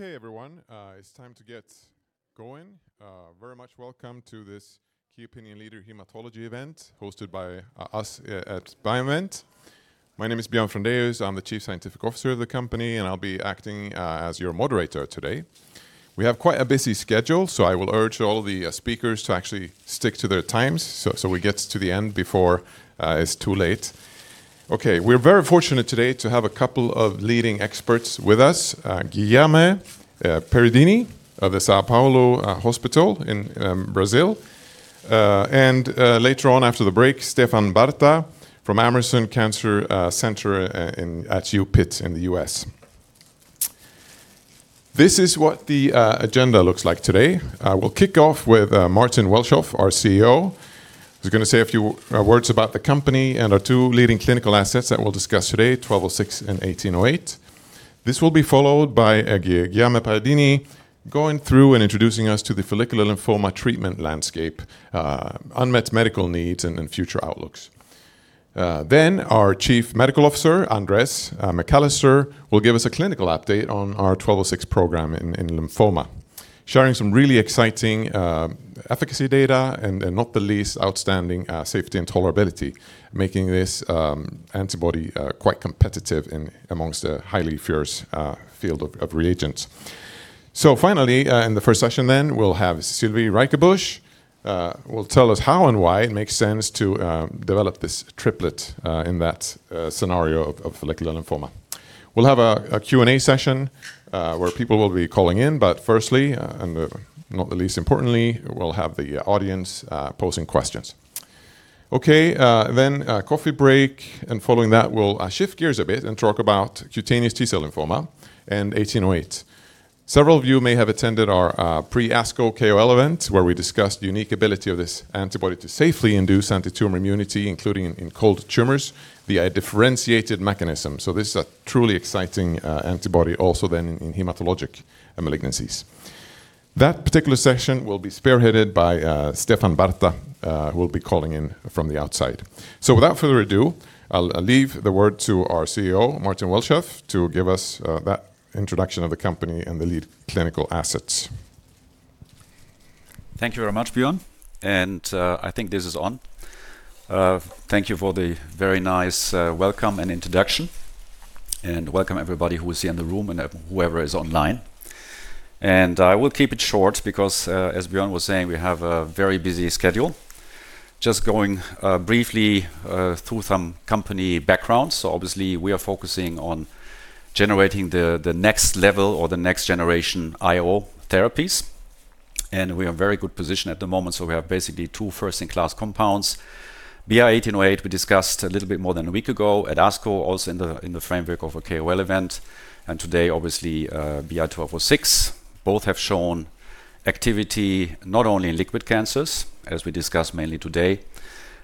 Everyone, it's time to get going. Very much welcome to this Key Opinion Leader Hematology event hosted by us at BioInvent. My name is Björn Frendéus. I'm the Chief Scientific Officer of the company, and I'll be acting as your moderator today. We have quite a busy schedule, so I will urge all the speakers to actually stick to their times so we get to the end before it's too late. We're very fortunate today to have a couple of leading experts with us, Guilherme Perini of the São Paulo Hospital in Brazil, and later on after the break, Stefan Barta from Abramson Cancer Center at UPenn in the U.S. This is what the agenda looks like today. We'll kick off with Martin Welschof, our CEO, who's going to say a few words about the company and our two leading clinical assets that we'll discuss today, 1206 and 1808. This will be followed by Guilherme Perini going through and introducing us to the follicular lymphoma treatment landscape, unmet medical needs and future outlooks. Our Chief Medical Officer, Andres McAllister, will give us a clinical update on our 1206 program in lymphoma, sharing some really exciting efficacy data and not the least outstanding safety and tolerability, making this antibody quite competitive amongst a highly fierce field of reagents. Finally, in the first session then, we'll have Sylvie Ryckebusch will tell us how and why it makes sense to develop this triplet in that scenario of follicular lymphoma. We'll have a Q&A session, where people will be calling in. Firstly, and not the least importantly, we'll have the audience posing questions. A coffee break, and following that, we'll shift gears a bit and talk about cutaneous T-cell lymphoma and 1808. Several of you may have attended our pre-ASCO KOL event, where we discussed the unique ability of this antibody to safely induce antitumor immunity, including in cold tumors, via differentiated mechanism. This is a truly exciting antibody also then in hematologic malignancies. That particular session will be spearheaded by Stefan Barta, who will be calling in from the outside. Without further ado, I'll leave the word to our CEO, Martin Welschof, to give us that introduction of the company and the lead clinical assets. Thank you very much, Björn, and I think this is on. Thank you for the very nice welcome and introduction, and welcome everybody who is here in the room and whoever is online. I will keep it short because, as Björn was saying, we have a very busy schedule. Just going briefly through some company background. Obviously, we are focusing on generating the next level or the next generation IO therapies, and we are in a very good position at the moment. We have basically two first-in-class compounds. BI-1808, we discussed a little bit more than a week ago at ASCO, also in the framework of a KOL event, and today, obviously, BI-1206. Both have shown activity not only in liquid cancers, as we discussed mainly today,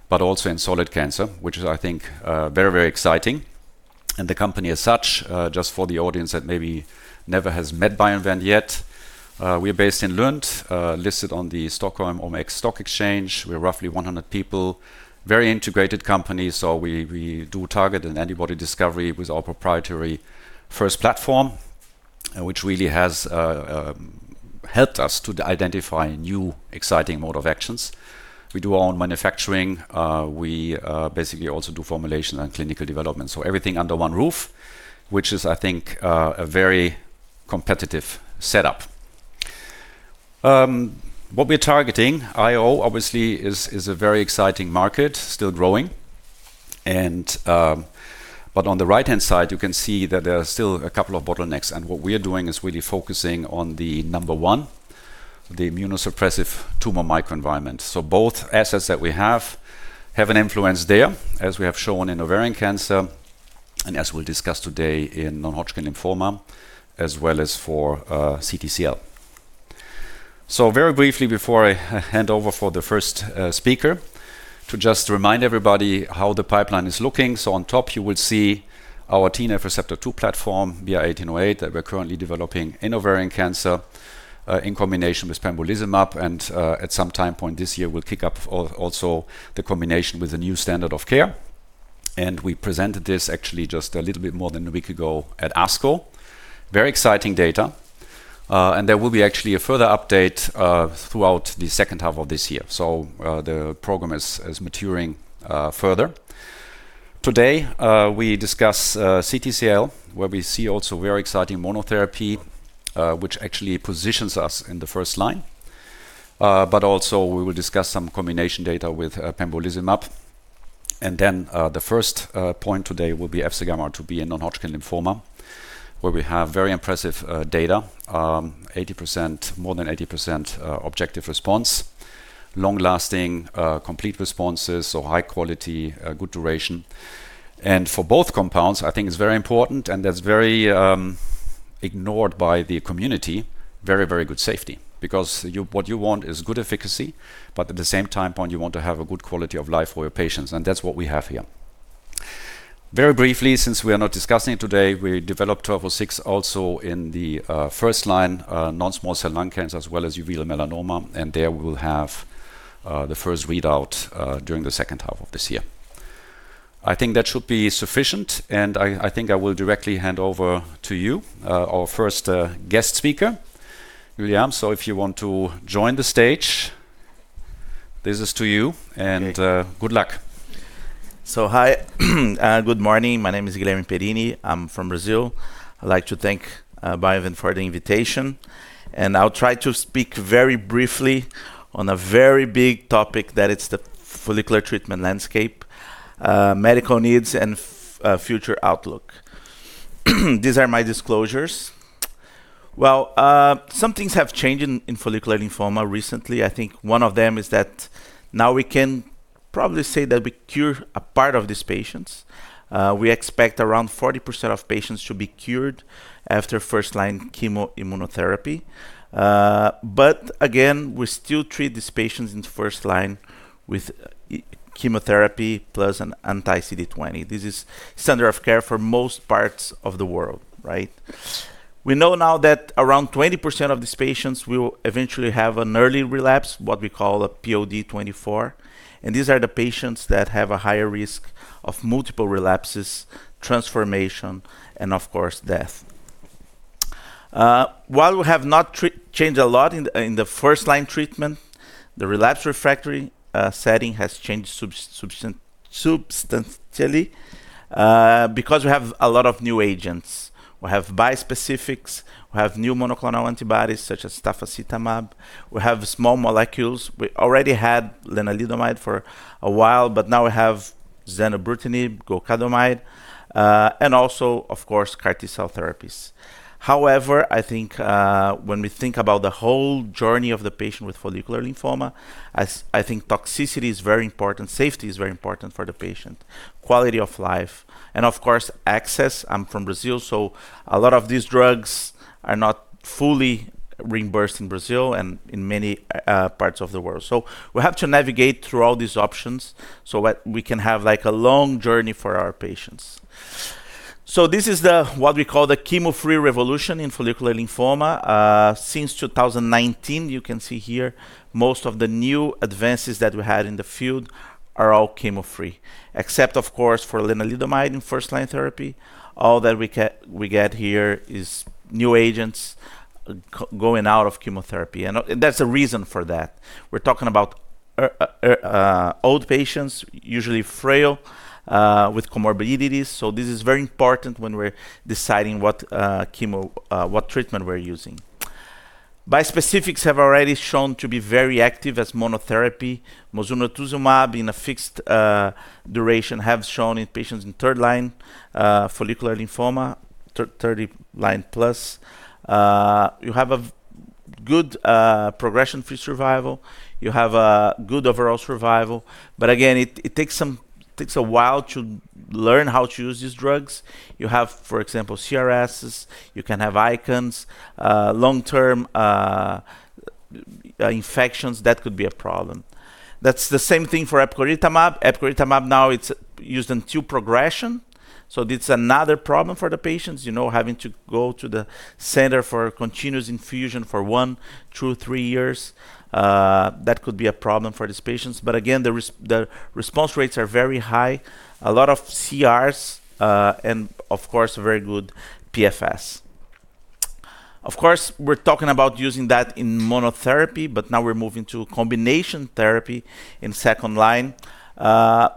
but also in solid cancer, which is, I think, very exciting. The company as such, just for the audience that maybe never has met BioInvent yet, we are based in Lund, listed on the Nasdaq Stockholm stock exchange. We are roughly 100 people, very integrated company. We do target an antibody discovery with our proprietary F.I.R.S.T. platform, which really has helped us to identify a new exciting mode of actions. We do our own manufacturing. We basically also do formulation and clinical development. Everything under one roof, which is, I think, a very competitive setup. What we are targeting, IO, obviously, is a very exciting market, still growing. On the right-hand side, you can see that there are still a couple of bottlenecks, and what we are doing is really focusing on the number one, the immunosuppressive tumor microenvironment. Both assets that we have have an influence there, as we have shown in ovarian cancer, and as we will discuss today in non-Hodgkin lymphoma, as well as for CTCL. Very briefly before I hand over for the first speaker, to just remind everybody how the pipeline is looking. On top, you will see our TNFR2 platform, BI-1808, that we are currently developing in ovarian cancer, in combination with pembrolizumab, and at some time point this year, we will kick up also the combination with the new standard of care. We presented this actually just a little bit more than a week ago at ASCO. Very exciting data. There will be actually a further update throughout the second half of this year. The program is maturing further. Today, we discuss CTCL, where we see also very exciting monotherapy, which actually positions us in the first line. We will discuss some combination data with pembrolizumab. The first point today will be FcγRIIb in non-Hodgkin lymphoma, where we have very impressive data, more than 80% objective response, long-lasting complete responses, high quality, good duration. For both compounds, I think it is very important, and that is very ignored by the community, very good safety. What you want is good efficacy, but at the same time point, you want to have a good quality of life for your patients, and that is what we have here. Very briefly, since we are not discussing it today, we developed BI-1206 also in the first line non-small cell lung cancer as well as uveal melanoma, and there we will have the first readout during the second half of this year. I think that should be sufficient, and I think I will directly hand over to you, our first guest speaker, Guilherme. If you want to join the stage, this is to you. Okay. Good luck. Hi and good morning. My name is Guilherme Perini. I'm from Brazil. I'd like to thank BioInvent for the invitation, and I'll try to speak very briefly on a very big topic that it's the follicular treatment landscape, medical needs, and future outlook. These are my disclosures. Some things have changed in follicular lymphoma recently. I think one of them is that now we can probably say that we cure a part of these patients. We expect around 40% of patients to be cured after first-line chemoimmunotherapy. Again, we still treat these patients in first line with chemotherapy plus an anti-CD20. This is standard of care for most parts of the world, right? We know now that around 20% of these patients will eventually have an early relapse, what we call a POD 24, and these are the patients that have a higher risk of multiple relapses, transformation, and, of course, death. While we have not changed a lot in the first-line treatment, the relapse refractory setting has changed substantially because we have a lot of new agents. We have bispecifics. We have new monoclonal antibodies such as tafasitamab. We have small molecules. We already had lenalidomide for a while, but now we have zanubrutinib, golidocitinib, and also, of course, CAR T-cell therapies. I think when we think about the whole journey of the patient with follicular lymphoma, I think toxicity is very important. Safety is very important for the patient. Quality of life and, of course, access. I'm from Brazil, a lot of these drugs are not fully reimbursed in Brazil and in many parts of the world. We have to navigate through all these options so that we can have a long journey for our patients. This is what we call the chemo-free revolution in follicular lymphoma. Since 2019, you can see here most of the new advances that we had in the field are all chemo-free. Except, of course, for lenalidomide in first-line therapy. All that we get here is new agents going out of chemotherapy. There's a reason for that. We're talking about old patients, usually frail, with comorbidities. This is very important when we're deciding what treatment we're using. Bispecifics have already shown to be very active as monotherapy. Mosunetuzumab in a fixed duration have shown in patients in third line follicular lymphoma, third line plus. You have a good progression-free survival. You have a good overall survival. Again, it takes a while to learn how to use these drugs. You have, for example, CRSs. You can have ICANS, long-term infections. That could be a problem. That's the same thing for epcoritamab. Epcoritamab now it's used until progression, so it's another problem for the patients having to go to the center for continuous infusion for one to three years. That could be a problem for these patients. Again, the response rates are very high. A lot of CRs, and of course, very good PFS. Of course, we're talking about using that in monotherapy, but now we're moving to combination therapy in second line.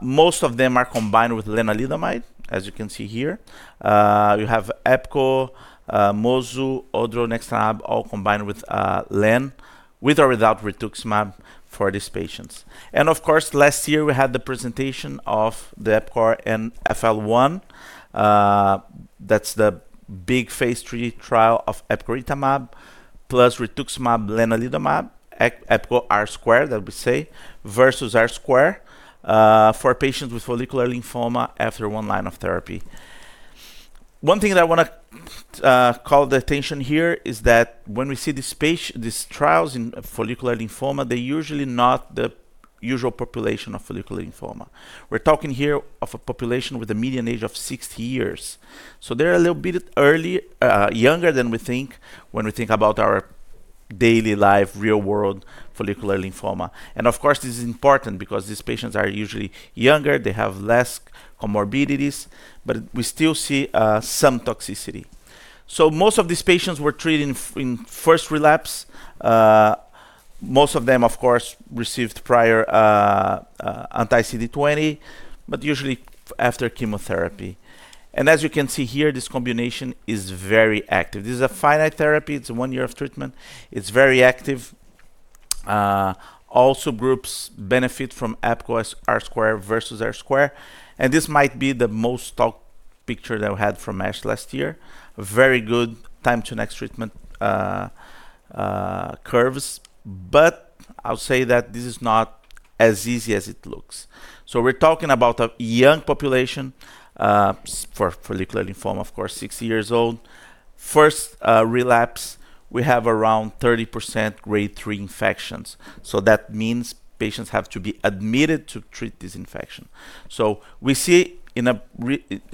Most of them are combined with lenalidomide, as you can see here. You have epco, mozu, odronextamab all combined with len, with or without rituximab for these patients. Of course, last year we had the presentation of the EPCORE FL-1. That's the big phase III trial of epcoritamab plus rituximab lenalidomide. EPCORE R-squared, that we say, versus R-squared for patients with follicular lymphoma after one line of therapy. One thing that I want to call the attention here is that when we see these trials in follicular lymphoma, they're usually not the usual population of follicular lymphoma. We're talking here of a population with a median age of 60 years. They're a little bit younger than we think when we think about our daily life, real-world follicular lymphoma. Of course, this is important because these patients are usually younger. They have less comorbidities, but we still see some toxicity. Most of these patients were treated in first relapse. Most of them, of course, received prior anti-CD20, but usually after chemotherapy. As you can see here, this combination is very active. This is a finite therapy. It's one year of treatment. It's very active. Also groups benefit from EPCORE R-squared versus R-squared, and this might be the most talked picture that we had from ASH last year. Very good time to next treatment curves. I'll say that this is not as easy as it looks. We're talking about a young population for follicular lymphoma, of course, 60 years old. First relapse, we have around 30% grade 3 infections. That means patients have to be admitted to treat this infection. We see in a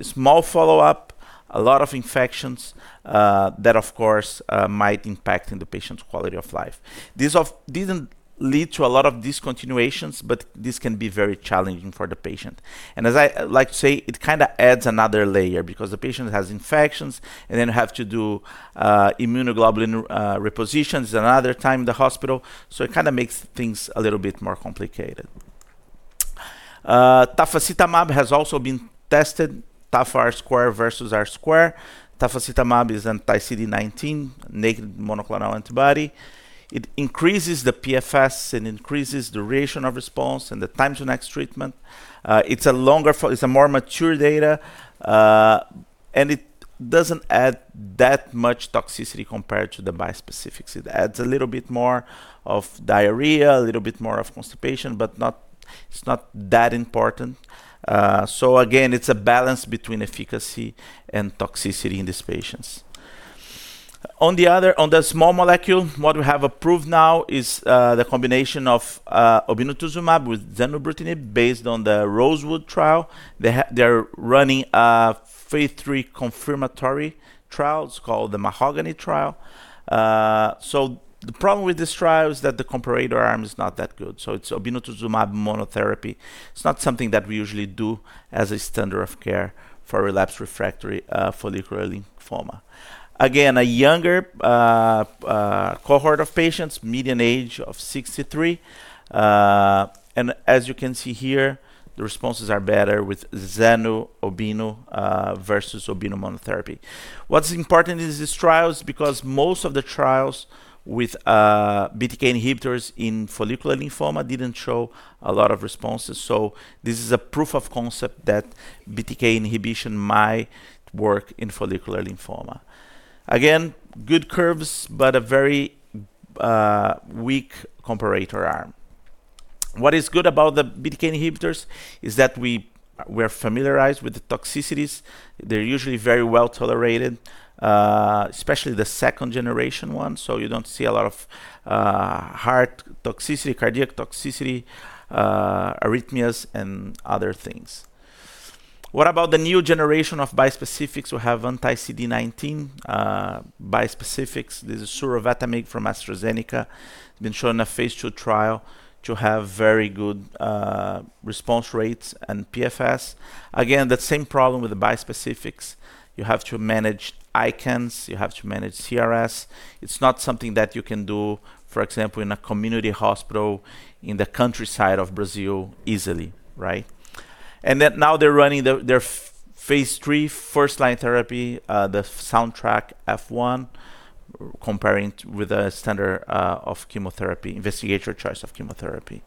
small follow-up. A lot of infections that, of course, might impact the patient's quality of life. This didn't lead to a lot of discontinuations, but this can be very challenging for the patient. As I like to say, it kind of adds another layer because the patient has infections and then have to do immunoglobulin repositions another time in the hospital. It kind of makes things a little bit more complicated. Tafasitamab has also been tested, TafR-squared versus R-squared. Tafasitamab is anti-CD19 naked monoclonal antibody. It increases the PFS and increases the duration of response and the time to next treatment. It's a more mature data, and it doesn't add that much toxicity compared to the bispecifics. It adds a little bit more of diarrhea, a little bit more of constipation, but it's not that important. Again, it's a balance between efficacy and toxicity in these patients. On the small molecule, what we have approved now is the combination of obinutuzumab with zanubrutinib based on the ROSEWOOD trial. They're running a phase III confirmatory trial. It's called the MAHOGANY trial. The problem with this trial is that the comparator arm is not that good. It's obinutuzumab monotherapy. It's not something that we usually do as a standard of care for relapse refractory follicular lymphoma. Again, a younger cohort of patients, median age of 63. And as you can see here, the responses are better with zanu obinu versus obinu monotherapy. What's important is this trial is because most of the trials with BTK inhibitors in follicular lymphoma didn't show a lot of responses. This is a proof of concept that BTK inhibition might work in follicular lymphoma. Again, good curves, but a very weak comparator arm. What is good about the BTK inhibitors is that we're familiarized with the toxicities. They're usually very well tolerated, especially the second generation one, so you don't see a lot of heart toxicity, cardiac toxicity, arrhythmias, and other things. What about the new generation of bispecifics who have anti-CD19 bispecifics? This is surovatamig from AstraZeneca, been shown a phase II trial to have very good response rates and PFS. Again, that same problem with the bispecifics. You have to manage ICANS, you have to manage CRS. It's not something that you can do, for example, in a community hospital in the countryside of Brazil easily. Right? Now they're running their phase III first-line therapy, the SOUNDTRACK-F1, comparing with a standard of chemotherapy, investigator choice of chemotherapy.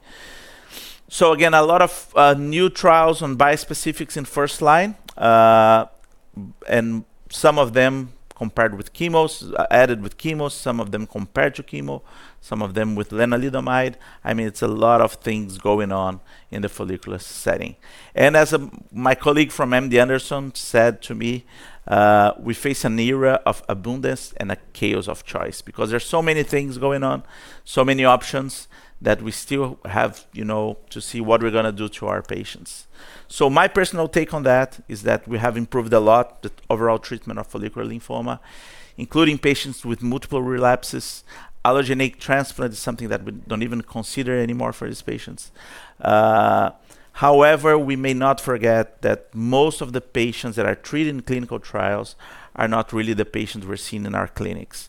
Again, a lot of new trials on bispecifics in first line, and some of them compared with chemos, added with chemos, some of them compared to chemo, some of them with lenalidomide. It's a lot of things going on in the follicular setting. As my colleague from MD Anderson said to me, we face an era of abundance and a chaos of choice because there's so many things going on, so many options that we still have to see what we're going to do to our patients. My personal take on that is that we have improved a lot the overall treatment of follicular lymphoma, including patients with multiple relapses. Allogeneic transplant is something that we don't even consider anymore for these patients. However, we may not forget that most of the patients that are treated in clinical trials are not really the patients we're seeing in our clinics.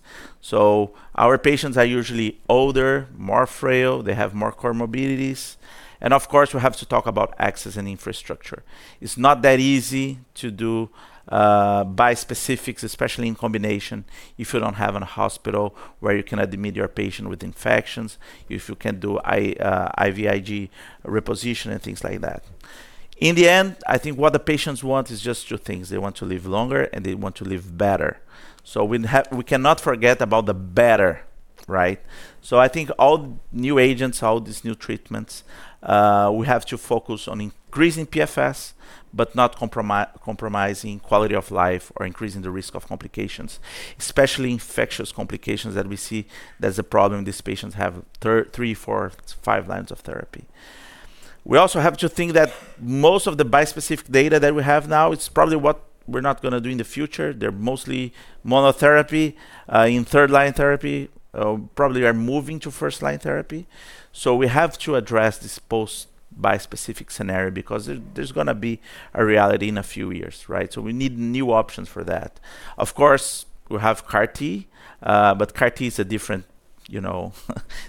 Our patients are usually older, more frail, they have more comorbidities, and of course, we have to talk about access and infrastructure. It's not that easy to do bispecifics, especially in combination if you don't have a hospital where you can admit your patient with infections, if you can do IVIG reposition and things like that. In the end, I think what the patients want is just two things. They want to live longer, and they want to live better. We cannot forget about the better, right? I think all new agents, all these new treatments, we have to focus on increasing PFS but not compromising quality of life or increasing the risk of complications, especially infectious complications that we see that's a problem these patients have three, four, five lines of therapy. We also have to think that most of the bispecific data that we have now, it's probably what we're not going to do in the future. They're mostly monotherapy, in third-line therapy. Probably are moving to first-line therapy. We have to address this post bispecific scenario because there's going to be a reality in a few years, right? We need new options for that. Of course, we have CAR T, but CAR T is a different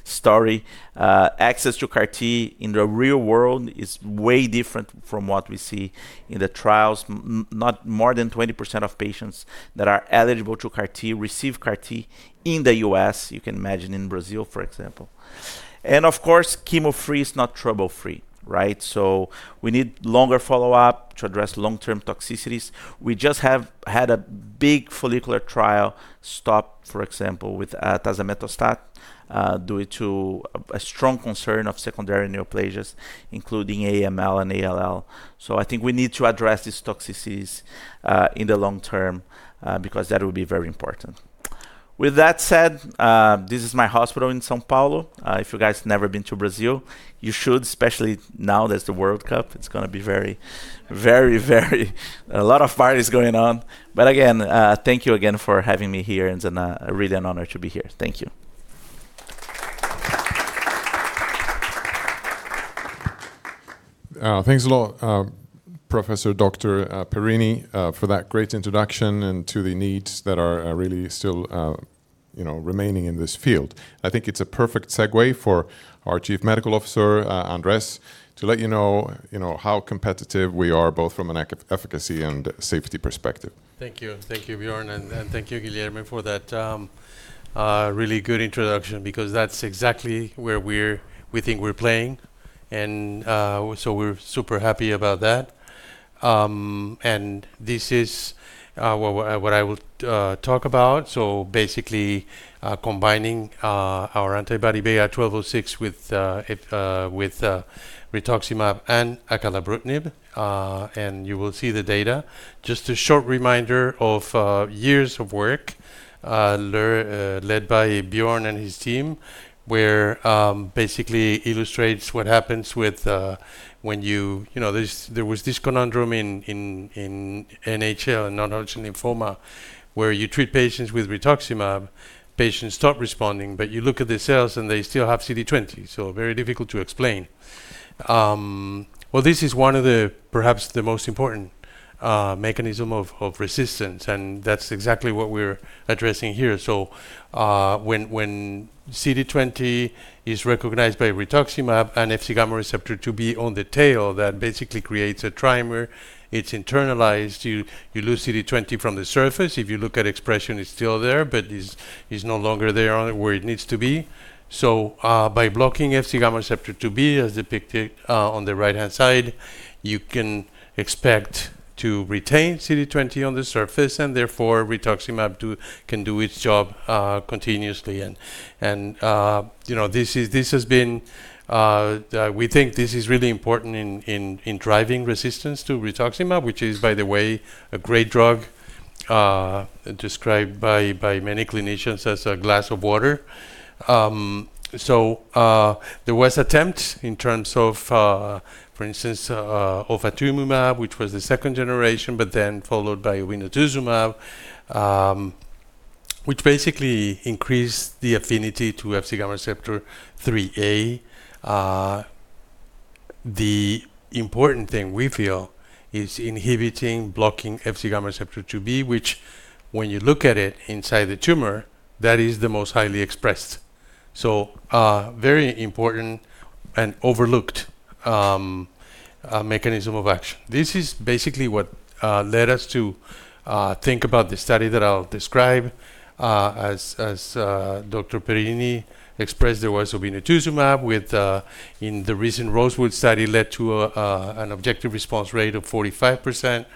story. Access to CAR T in the real world is way different from what we see in the trials. Not more than 20% of patients that are eligible to CAR T receive CAR T in the U.S. You can imagine in Brazil, for example. Of course, chemo-free is not trouble-free, right? We need longer follow-up to address long-term toxicities. We just have had a big follicular trial stop, for example, with tazemetostat, due to a strong concern of secondary neoplasias, including AML and ALL. I think we need to address these toxicities in the long term because that will be very important. With that said, this is my hospital in São Paulo. If you guys never been to Brazil, you should, especially now there's the World Cup. It's going to be very, very, very a lot of parties going on. Again, thank you again for having me here, and it's really an honor to be here. Thank you. Thanks a lot, Professor Dr. Perini, for that great introduction and to the needs that are really still remaining in this field. I think it's a perfect segue for our Chief Medical Officer, Andres, to let you know how competitive we are, both from an efficacy and safety perspective. Thank you. Thank you, Björn, and thank you, Guilherme, for that really good introduction because that's exactly where we think we're playing. We're super happy about that. This is what I will talk about. Basically, combining our antibody BI-1206 with rituximab and acalabrutinib. You will see the data. Just a short reminder of years of work led by Björn and his team, where basically illustrates what happens with when you there was this conundrum in NHL, in non-Hodgkin lymphoma, where you treat patients with rituximab, patients stop responding, but you look at the cells, and they still have CD20, very difficult to explain. This is one of perhaps the most important mechanism of resistance, and that's exactly what we're addressing here. When CD20 is recognized by rituximab and FcγRIIb on the tail, that basically creates a trimer. It's internalized. You lose CD20 from the surface. If you look at expression, it's still there, but it's no longer there where it needs to be. By blocking FcγRIIb, as depicted on the right-hand side, you can expect to retain CD20 on the surface, and therefore, rituximab can do its job continuously. We think this is really important in driving resistance to rituximab, which is, by the way, a great drug described by many clinicians as a glass of water. There was attempt in terms of, for instance, ofatumumab, which was the second generation, but then followed by obinutuzumab, which basically increased the affinity to Fc gamma receptor IIIa. The important thing we feel is inhibiting, blocking FcγRIIb, which when you look at it inside the tumor, that is the most highly expressed. Very important and overlooked mechanism of action. This is basically what led us to think about the study that I'll describe. As Dr. Perini expressed, there was obinutuzumab in the recent ROSEWOOD study led to an objective response rate of 45%.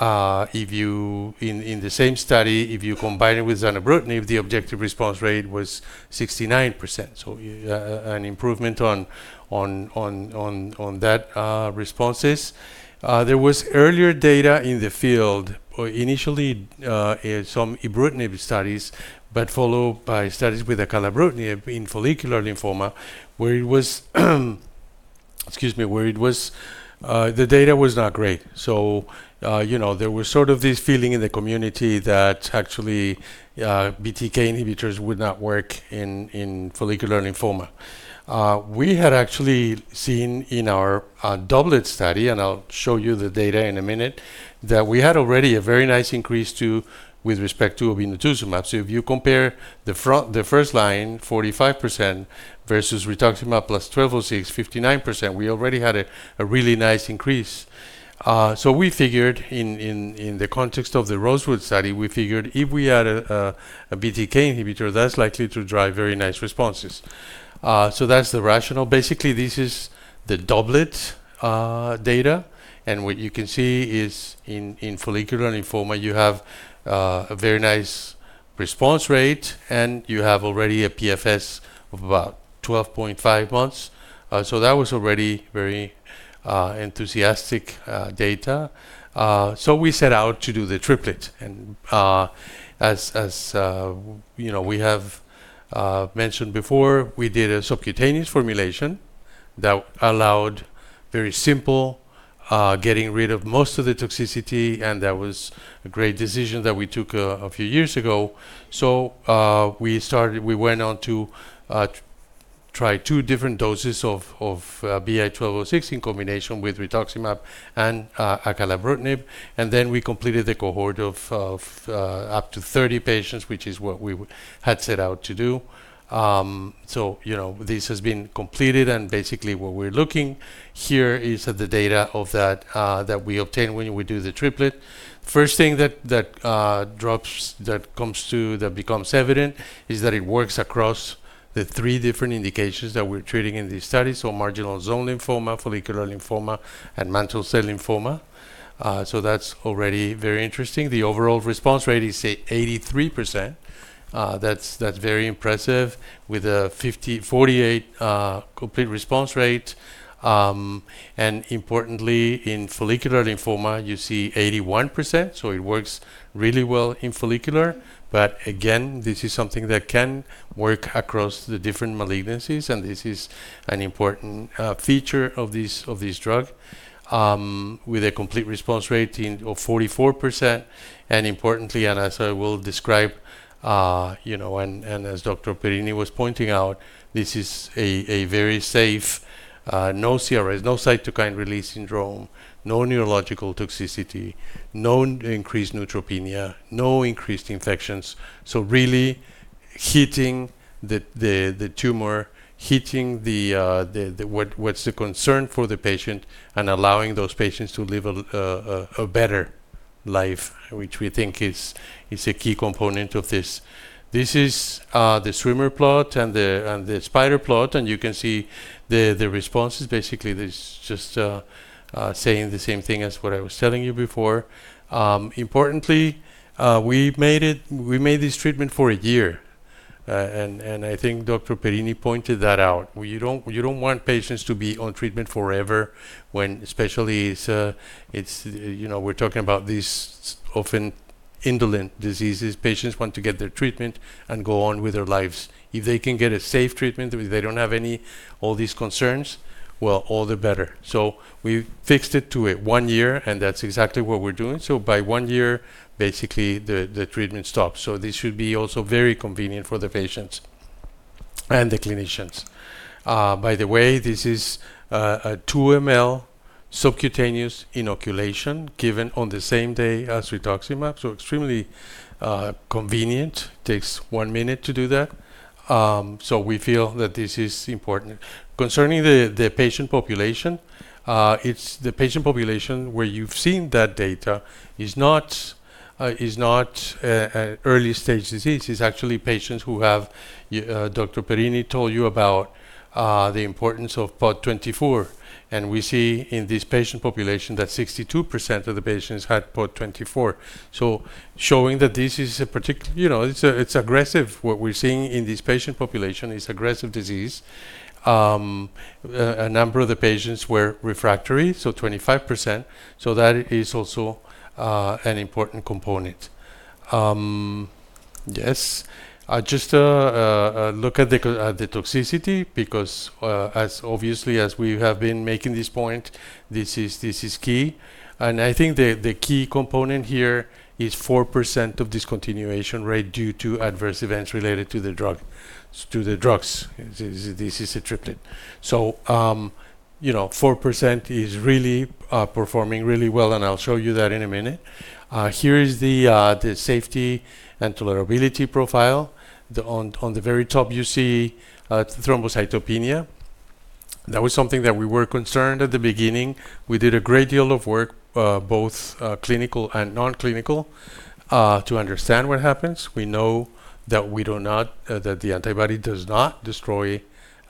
In the same study, if you combine it with zanubrutinib, the objective response rate was 69%, so an improvement on that responses. There was earlier data in the field, initially some ibrutinib studies, but followed by studies with acalabrutinib in follicular lymphoma where it was excuse me, where the data was not great. There was sort of this feeling in the community that actually BTK inhibitors would not work in follicular lymphoma. We had actually seen in our doublet study, and I'll show you the data in a minute, that we had already a very nice increase too with respect to obinutuzumab. If you compare the first line, 45%, versus rituximab plus 1206, 59%, we already had a really nice increase. We figured in the context of the ROSEWOOD study, we figured if we add a BTK inhibitor, that's likely to drive very nice responses. That's the rationale. Basically, this is the doublet data, and what you can see is in follicular lymphoma, you have a very nice response rate, and you have already a PFS of about 12.5 months. That was already very enthusiastic data. We set out to do the triplet, and as we have mentioned before, we did a subcutaneous formulation that allowed very simple getting rid of most of the toxicity, and that was a great decision that we took a few years ago. We went on to try two different doses of BI-1206 in combination with rituximab and acalabrutinib, and then we completed the cohort of up to 30 patients, which is what we had set out to do. This has been completed, and basically what we're looking here is at the data of that we obtain when we do the triplet. First thing that becomes evident is that it works across the three different indications that we're treating in these studies, marginal zone lymphoma, follicular lymphoma, and mantle cell lymphoma. That's already very interesting. The overall response rate is 83%. That's very impressive with a 48 complete response rate. Importantly, in follicular lymphoma, you see 81%, so it works really well in follicular. Again, this is something that can work across the different malignancies, and this is an important feature of this drug. With a complete response rate of 44%, importantly, and as I will describe, and as Dr. Perini was pointing out, this is a very safe, no CRS, no cytokine release syndrome, no neurological toxicity, no increased neutropenia, no increased infections. Really hitting the tumor, hitting what's the concern for the patient, and allowing those patients to live a better life, which we think is a key component of this. This is the swimmer plot and the spider plot, and you can see the response is basically just saying the same thing as what I was telling you before. Importantly, we made this treatment for a year, and I think Dr. Perini pointed that out. You don't want patients to be on treatment forever when especially we're talking about these often indolent diseases. Patients want to get their treatment and go on with their lives. If they can get a safe treatment, if they don't have all these concerns, well, all the better. We fixed it to one year, and that's exactly what we're doing. By one year, basically, the treatment stops. This should be also very convenient for the patients and the clinicians. By the way, this is a two ml subcutaneous inoculation given on the same day as rituximab, extremely convenient. Takes one minute to do that. We feel that this is important. Concerning the patient population, the patient population where you've seen that data is not early stage disease. It's actually patients who have, Dr. Perini told you about the importance of POD24, and we see in this patient population that 62% of the patients had POD24. Showing that this is a particular— It's aggressive. What we're seeing in this patient population is aggressive disease. A number of the patients were refractory, 25%, that is also an important component. Just look at the toxicity because obviously, as we have been making this point, this is key. I think the key component here is 4% of discontinuation rate due to adverse events related to the drugs. This is a triplet. 4% is performing really well, and I'll show you that in a minute. Here is the safety and tolerability profile. On the very top, you see thrombocytopenia. That was something that we were concerned at the beginning. We did a great deal of work, both clinical and non-clinical, to understand what happens. We know that the antibody does not destroy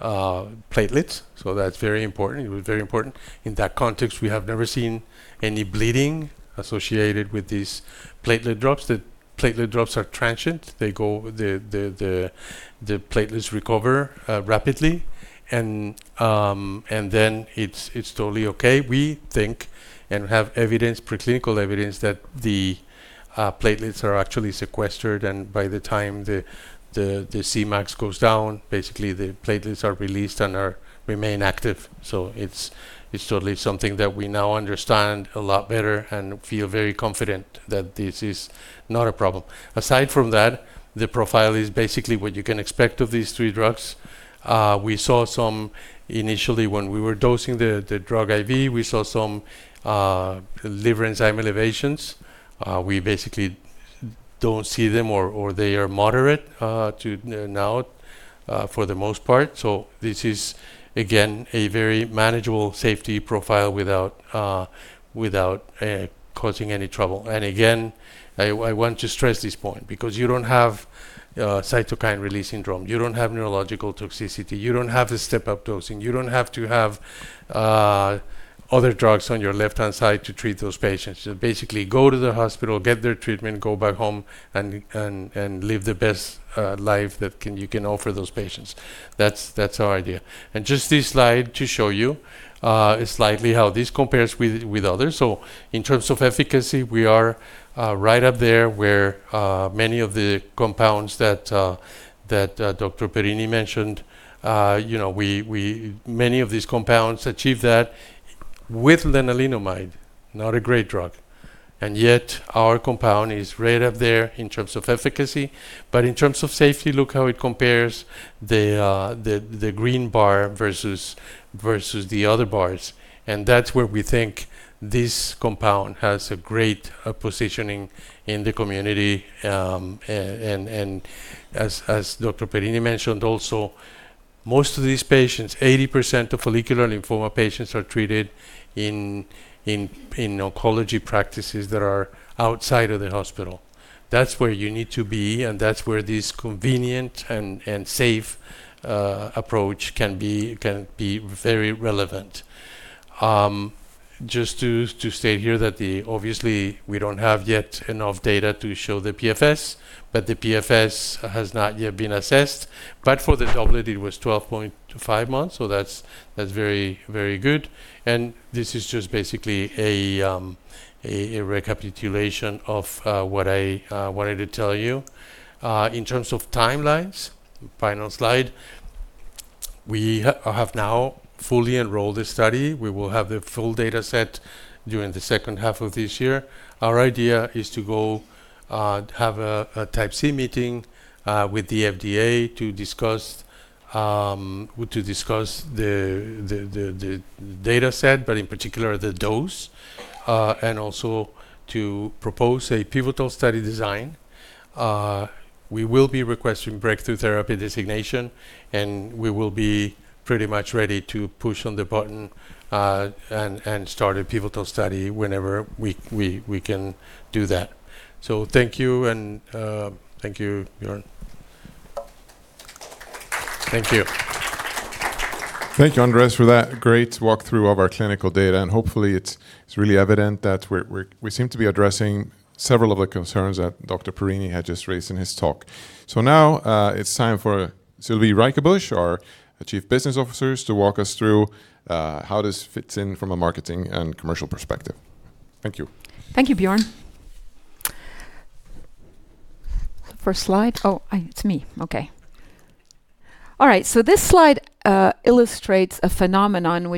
platelets, that's very important. It was very important. In that context, we have never seen any bleeding associated with these platelet drops. The platelet drops are transient. The platelets recover rapidly, and then it's totally okay. We think and have preclinical evidence that the platelets are actually sequestered, and by the time the Cmax goes down, basically the platelets are released and remain active. It's totally something that we now understand a lot better and feel very confident that this is not a problem. Aside from that, the profile is basically what you can expect of these three drugs. Initially when we were dosing the drug IV, we saw some liver enzyme elevations. We basically don't see them or they are moderate now for the most part. This is, again, a very manageable safety profile without causing any trouble. Again, I want to stress this point because you don't have cytokine release syndrome. You don't have neurological toxicity. You don't have the step-up dosing. You don't have to have other drugs on your left-hand side to treat those patients. Basically go to the hospital, get their treatment, go back home, and live the best life that you can offer those patients. That's our idea. Just this slide to show you slightly how this compares with others. In terms of efficacy, we are right up there where many of the compounds that Dr. Perini mentioned. Many of these compounds achieve that with lenalidomide, not a great drug, and yet our compound is right up there in terms of efficacy. In terms of safety, look how it compares the green bar versus the other bars, and that's where we think this compound has a great positioning in the community. As Dr. Perini mentioned also, most of these patients, 80% of follicular lymphoma patients are treated in oncology practices that are outside of the hospital. That's where you need to be, and that's where this convenient and safe approach can be very relevant. Just to state here that obviously, we don't have yet enough data to show the PFS, but the PFS has not yet been assessed. For the durability, it was 12.5 months, so that's very good. This is just basically a recapitulation of what I wanted to tell you. In terms of timelines, final slide. We have now fully enrolled the study. We will have the full data set during the second half of this year. Our idea is to go have a type C meeting with the FDA to discuss the data set, but in particular, the dose, and also to propose a pivotal study design. We will be requesting breakthrough therapy designation, and we will be pretty much ready to push on the button and start a pivotal study whenever we can do that. Thank you, and thank you, Björn. Thank you. Thank you, Andres, for that great walkthrough of our clinical data. Hopefully it's really evident that we seem to be addressing several of the concerns that Dr. Perini had just raised in his talk. Now, it's time for Sylvie Ryckebusch, our Chief Business Officer, to walk us through how this fits in from a marketing and commercial perspective. Thank you. Thank you, Björn. First slide. Oh, it's me. Okay. All right, this slide illustrates a phenomenon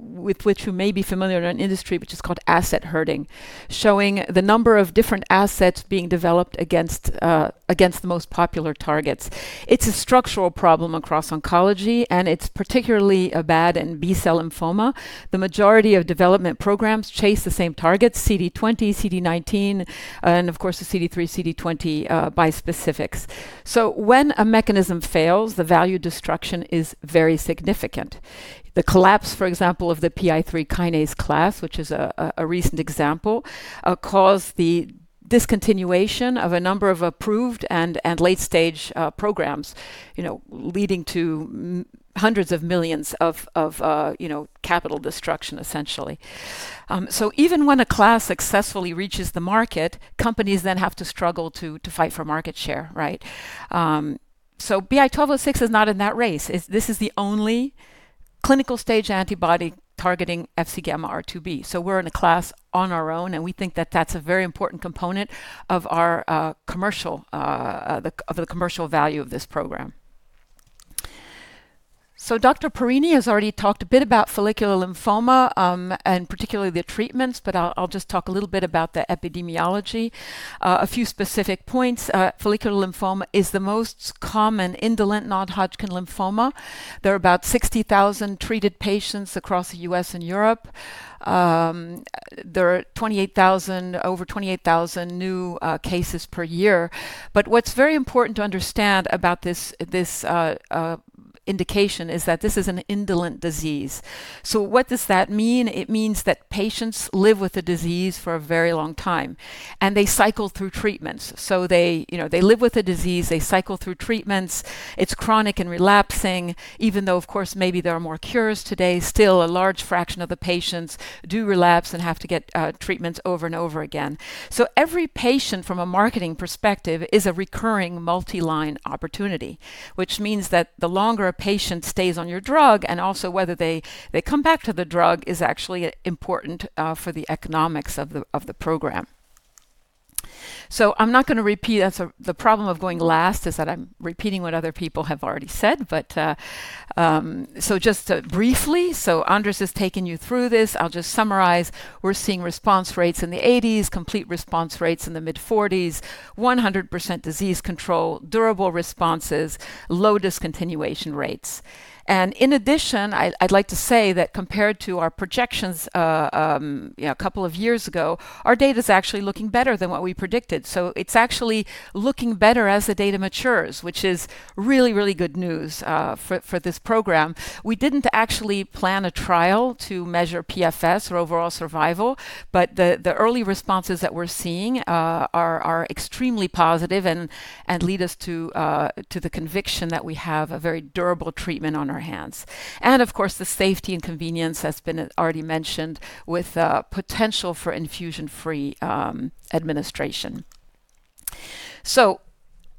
with which you may be familiar in our industry, which is called asset herding, showing the number of different assets being developed against the most popular targets. It's a structural problem across oncology, and it's particularly bad in B-cell lymphoma. The majority of development programs chase the same targets, CD20, CD19, and of course, the CD3, CD20 bispecifics. When a mechanism fails, the value destruction is very significant. The collapse, for example, of the PI3Kinase class, which is a recent example, caused the discontinuation of a number of approved and late-stage programs, leading to hundreds of millions SEK of capital destruction, essentially. Even when a class successfully reaches the market, companies then have to struggle to fight for market share. BI-1206 is not in that race. This is the only clinical-stage antibody targeting FcγRIIb. We're in a class on our own, and we think that that's a very important component of the commercial value of this program. Dr. Perini has already talked a bit about follicular lymphoma, and particularly the treatments, but I'll just talk a little bit about the epidemiology. A few specific points. Follicular lymphoma is the most common indolent non-Hodgkin lymphoma. There are about 60,000 treated patients across the U.S. and Europe. There are over 28,000 new cases per year. What's very important to understand about this indication is that this is an indolent disease. What does that mean? It means that patients live with the disease for a very long time, and they cycle through treatments. They live with the disease, they cycle through treatments. It's chronic and relapsing. Even though, of course, maybe there are more cures today, still a large fraction of the patients do relapse and have to get treatments over and over again. Every patient from a marketing perspective is a recurring multi-line opportunity, which means that the longer a patient stays on your drug, and also whether they come back to the drug, is actually important for the economics of the program. I'm not going to repeat. The problem of going last is that I'm repeating what other people have already said. Just briefly, Andres has taken you through this. I'll just summarize. We're seeing response rates in the 80s, complete response rates in the mid-40s, 100% disease control, durable responses, low discontinuation rates. In addition, I'd like to say that compared to our projections a couple of years ago, our data's actually looking better than what we predicted. It's actually looking better as the data matures, which is really, really good news for this program. We didn't actually plan a trial to measure PFS or overall survival, but the early responses that we're seeing are extremely positive and lead us to the conviction that we have a very durable treatment on our hands. Of course, the safety and convenience has been already mentioned with potential for infusion-free administration.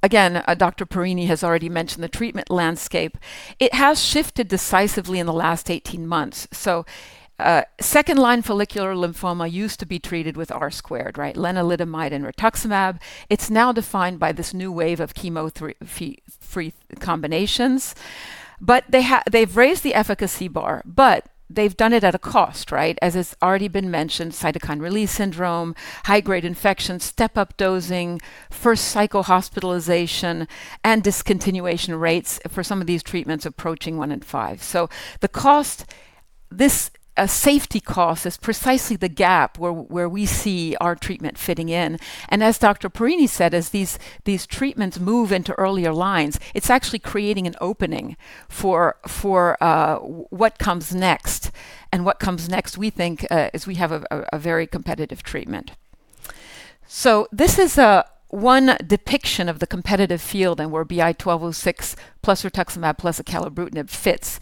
Again, Guilherme Perini has already mentioned the treatment landscape. It has shifted decisively in the last 18 months. Second-line follicular lymphoma used to be treated with R-squared, lenalidomide and rituximab. It's now defined by this new wave of chemo-free combinations. They've raised the efficacy bar, but they've done it at a cost. As it's already been mentioned, cytokine release syndrome, high-grade infections, step-up dosing, first-cycle hospitalization, and discontinuation rates for some of these treatments approaching one in five. This safety cost is precisely the gap where we see our treatment fitting in. As Guilherme Perini said, as these treatments move into earlier lines, it's actually creating an opening for what comes next. What comes next, we think, is we have a very competitive treatment. This is one depiction of the competitive field and where BI-1206 plus rituximab plus acalabrutinib fits.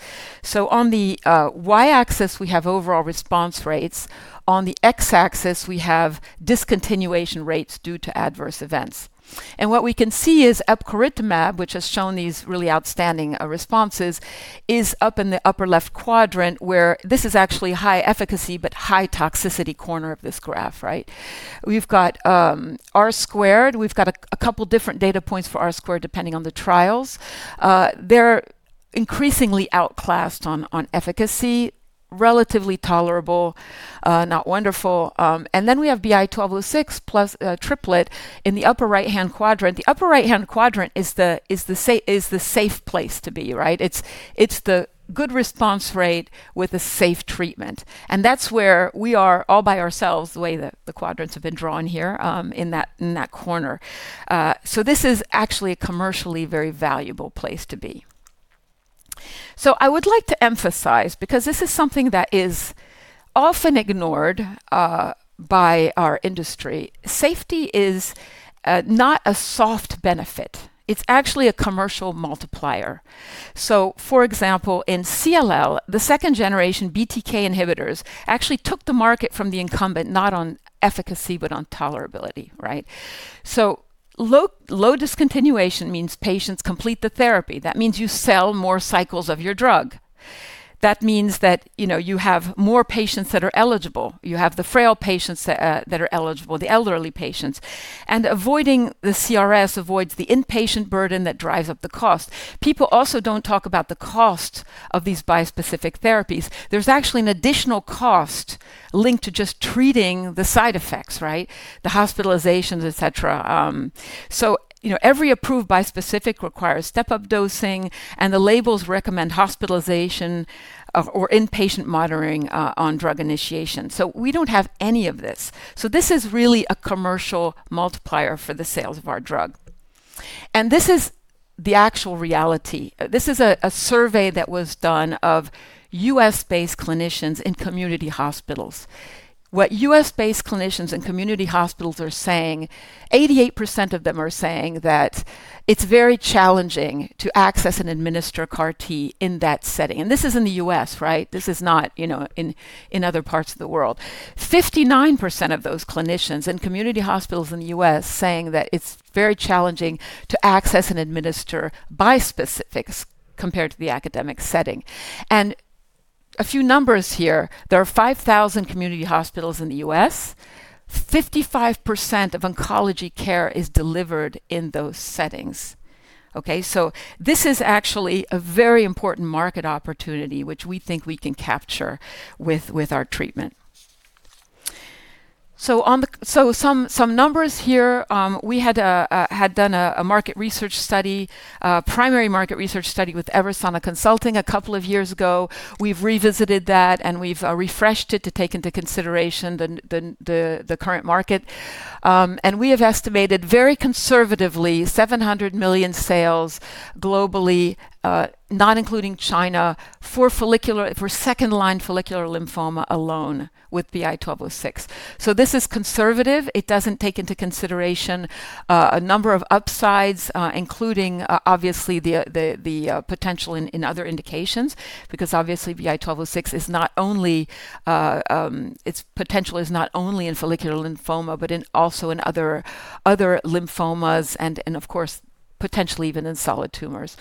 On the Y-axis, we have overall response rates. On the X-axis, we have discontinuation rates due to adverse events. What we can see is epcoritamab, which has shown these really outstanding responses, is up in the upper-left quadrant, where this is actually high efficacy but high toxicity corner of this graph. We've got R-squared. We've got a couple different data points for R-squared, depending on the trials. They're increasingly outclassed on efficacy, relatively tolerable, not wonderful. Then we have BI-1206 plus triplet in the upper right-hand quadrant. The upper right-hand quadrant is the safe place to be. It's the good response rate with a safe treatment. That's where we are all by ourselves, the way that the quadrants have been drawn here in that corner. This is actually a commercially very valuable place to be. I would like to emphasize, because this is something that is often ignored by our industry, safety is not a soft benefit. It's actually a commercial multiplier. For example, in CLL, the second generation BTK inhibitors actually took the market from the incumbent not on efficacy, but on tolerability. Right? Low discontinuation means patients complete the therapy. That means you sell more cycles of your drug. That means that you have more patients that are eligible. You have the frail patients that are eligible, the elderly patients. Avoiding the CRS avoids the inpatient burden that drives up the cost. People also don't talk about the cost of these bispecific therapies. There's actually an additional cost linked to just treating the side effects, right? The hospitalizations, et cetera. Every approved bispecific requires step-up dosing, and the labels recommend hospitalization or inpatient monitoring on drug initiation. We don't have any of this. This is really a commercial multiplier for the sales of our drug. This is the actual reality. This is a survey that was done of U.S.-based clinicians in community hospitals. What U.S.-based clinicians in community hospitals are saying, 88% of them are saying that it's very challenging to access and administer CAR T in that setting. This is in the U.S., right? This is not in other parts of the world. 59% of those clinicians in community hospitals in the U.S. saying that it's very challenging to access and administer bispecifics compared to the academic setting. A few numbers here. There are 5,000 community hospitals in the U.S. 55% of oncology care is delivered in those settings. Okay. This is actually a very important market opportunity, which we think we can capture with our treatment. Some numbers here. We had done a market research study, a primary market research study with Eversana Consulting a couple of years ago. We've revisited that, and we've refreshed it to take into consideration the current market. We have estimated very conservatively 700 million sales globally, not including China, for second-line follicular lymphoma alone with BI-1206. This is conservative. It doesn't take into consideration a number of upsides, including obviously the potential in other indications, because obviously BI-1206, its potential is not only in follicular lymphoma, but also in other lymphomas and of course, potentially even in solid tumors.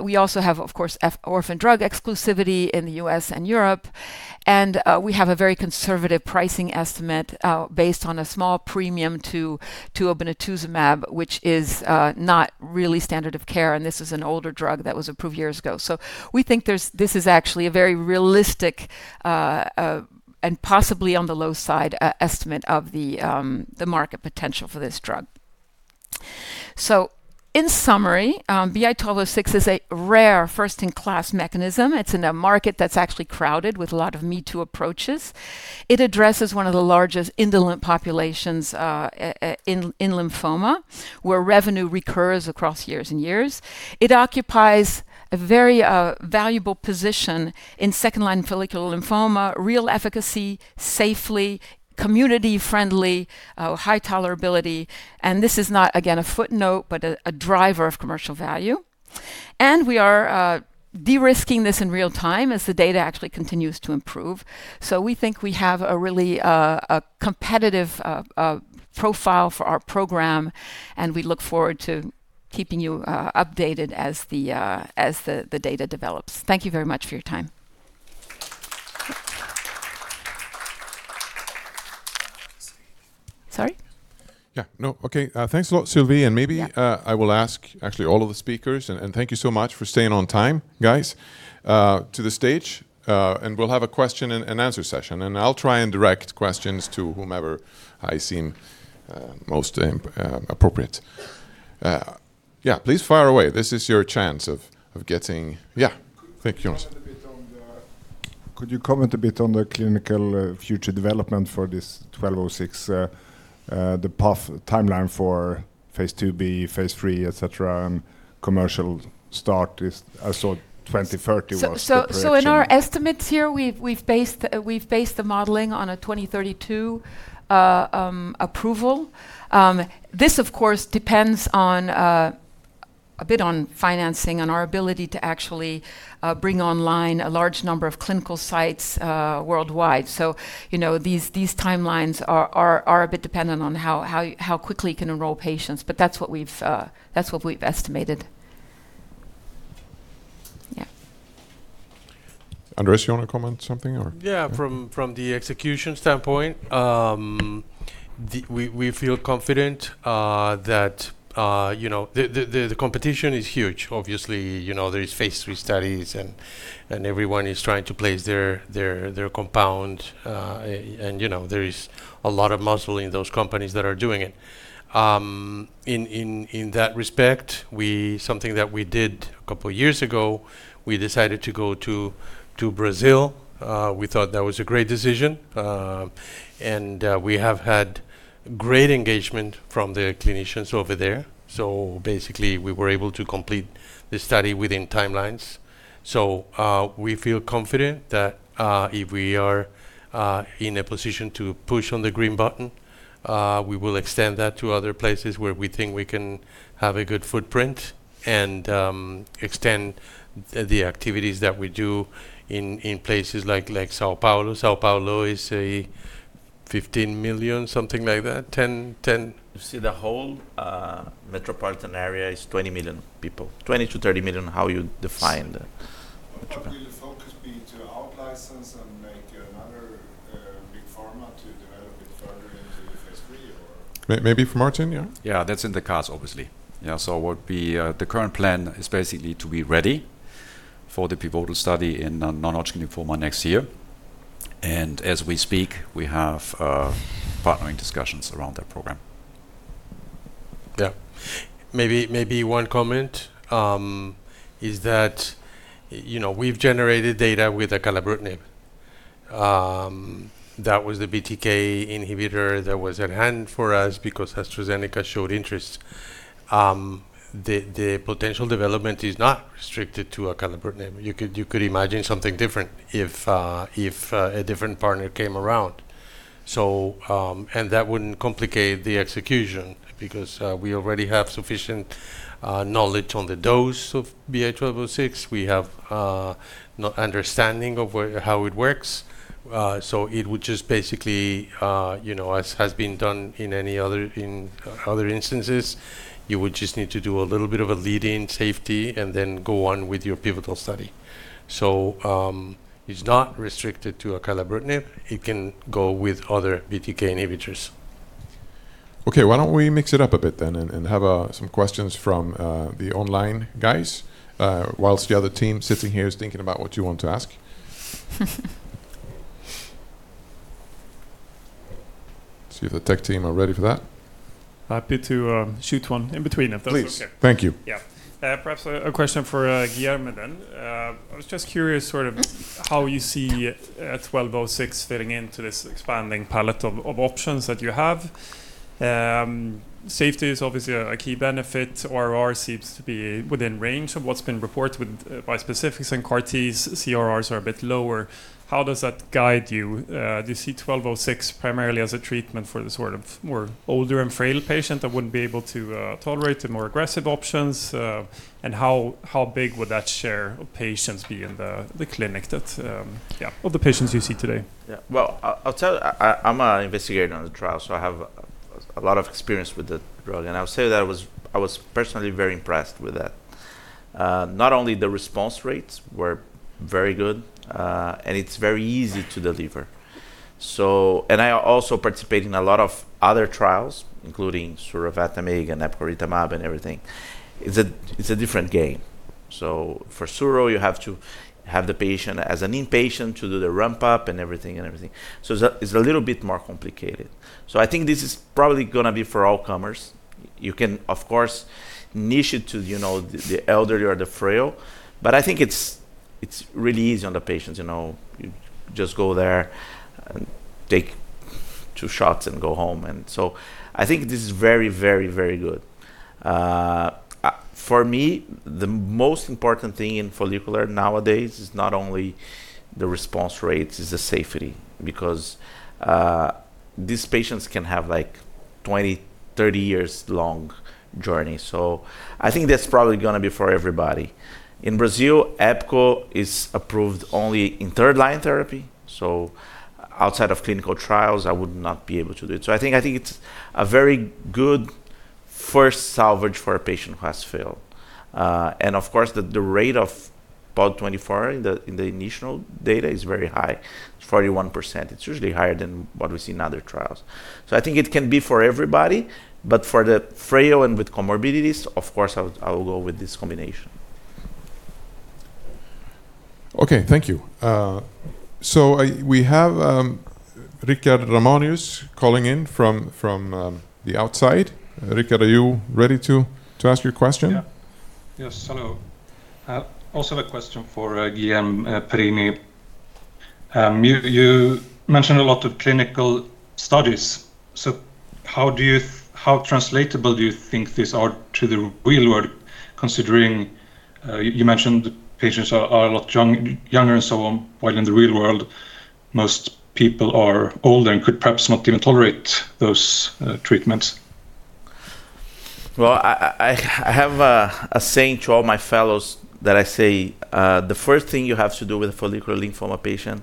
We also have, of course, orphan drug exclusivity in the U.S. and Europe. We have a very conservative pricing estimate based on a small premium to obinutuzumab, which is not really standard of care, and this is an older drug that was approved years ago. We think this is actually a very realistic, and possibly on the low side, estimate of the market potential for this drug. In summary, BI-1206 is a rare first-in-class mechanism. It's in a market that's actually crowded with a lot of me-too approaches. It addresses one of the largest indolent populations in lymphoma, where revenue recurs across years and years. It occupies a very valuable position in second-line follicular lymphoma, real efficacy, safely, community-friendly, high tolerability. This is not, again, a footnote but a driver of commercial value. We are de-risking this in real time as the data actually continues to improve. We think we have a really competitive profile for our program, and we look forward to keeping you updated as the data develops. Thank you very much for your time. Sorry? Yeah, no. Okay. Thanks a lot, Sylvie. Yeah. Maybe I will ask actually all of the speakers, thank you so much for staying on time, guys, to the stage, we'll have a question and answer session, I'll try and direct questions to whomever I seem most appropriate. Yeah, please fire away. This is your chance of getting Yeah. Thank you. Could you comment a bit on the clinical future development for this BI-1206, the path timeline for phase II-B, phase III, et cetera, commercial start is, I saw 2030 was the projection. In our estimates here, we've based the modeling on a 2032 approval. This of course, depends a bit on financing and our ability to actually bring online a large number of clinical sites worldwide. These timelines are a bit dependent on how quickly you can enroll patients, but that's what we've estimated. Yeah. Andres, you want to comment something or? From the execution standpoint, we feel confident that the competition is huge, obviously. There is phase III studies, everyone is trying to place their compound, there is a lot of muscle in those companies that are doing it. In that respect, something that we did a couple of years ago, we decided to go to Brazil. We thought that was a great decision. We have had great engagement from the clinicians over there. Basically, we were able to complete the study within timelines. We feel confident that if we are in a position to push on the green button, we will extend that to other places where we think we can have a good footprint and extend the activities that we do in places like São Paulo. São Paulo is 15 million, something like that, 10- You see the whole metropolitan area is 20 million people. 20 million-30 million, how you define the- Will the focus be to out-license and make another big pharma to develop it further into the phase III, or? Maybe for Martin? That's in the cards, obviously. The current plan is basically to be ready for the pivotal study in non-Hodgkin lymphoma next year. As we speak, we have partnering discussions around that program. Maybe one comment is that we've generated data with acalabrutinib. That was the BTK inhibitor that was at hand for us because AstraZeneca showed interest. The potential development is not restricted to acalabrutinib. You could imagine something different if a different partner came around. That wouldn't complicate the execution because we already have sufficient knowledge on the dose of BI-1206. We have understanding of how it works. It would just basically, as has been done in other instances, you would just need to do a little bit of a lead-in safety and then go on with your pivotal study. It's not restricted to acalabrutinib. It can go with other BTK inhibitors. Okay. Why don't we mix it up a bit then and have some questions from the online guys whilst the other team sitting here is thinking about what you want to ask. See if the tech team are ready for that. Happy to shoot one in between if that's okay. Please. Thank you. Yeah. Perhaps a question for Guilherme then. I was just curious sort of how you see BI-1206 fitting into this expanding palette of options that you have. Safety is obviously a key benefit. ORR seems to be within range of what's been reported with bispecifics and CAR Ts, CRRs are a bit lower. How does that guide you? Do you see BI-1206 primarily as a treatment for the sort of more older and frail patient that wouldn't be able to tolerate the more aggressive options? How big would that share of patients be in the clinic of the patients you see today? Yeah. Well, I'll tell you, I'm an investigator on the trial, so I have a lot of experience with the drug, and I would say that I was personally very impressed with that. Not only the response rates were very good, and it's very easy to deliver. I also participate in a lot of other trials, including surovatamig and epcoritamab and everything. It's a different game. For surovatamig, you have to have the patient as an inpatient to do the ramp-up and everything. It's a little bit more complicated. I think this is probably going to be for all comers. You can, of course, niche it to the elderly or the frail, but I think it's really easy on the patients. You just go there and take two shots and go home. I think this is very good. For me, the most important thing in follicular nowadays is not only the response rates, it's the safety, because these patients can have 20, 30 years long journey. I think that's probably going to be for everybody. In Brazil, Epco is approved only in third-line therapy, so outside of clinical trials, I would not be able to do it. I think it's a very good first salvage for a patient who has failed. Of course, the rate of POD24 in the initial data is very high. It's 41%. It's usually higher than what we see in other trials. I think it can be for everybody, but for the frail and with comorbidities, of course, I would go with this combination. Okay. Thank you. We have Richard Ramanius calling in from the outside. Richard, are you ready to ask your question? Yeah. Yes, hello. Also a question for Guilherme Perini. You mentioned a lot of clinical studies. How translatable do you think these are to the real world, considering you mentioned patients are a lot younger and so on, while in the real world, most people are older and could perhaps not even tolerate those treatments? Well, I have a saying to all my fellows that I say, "The first thing you have to do with a follicular lymphoma patient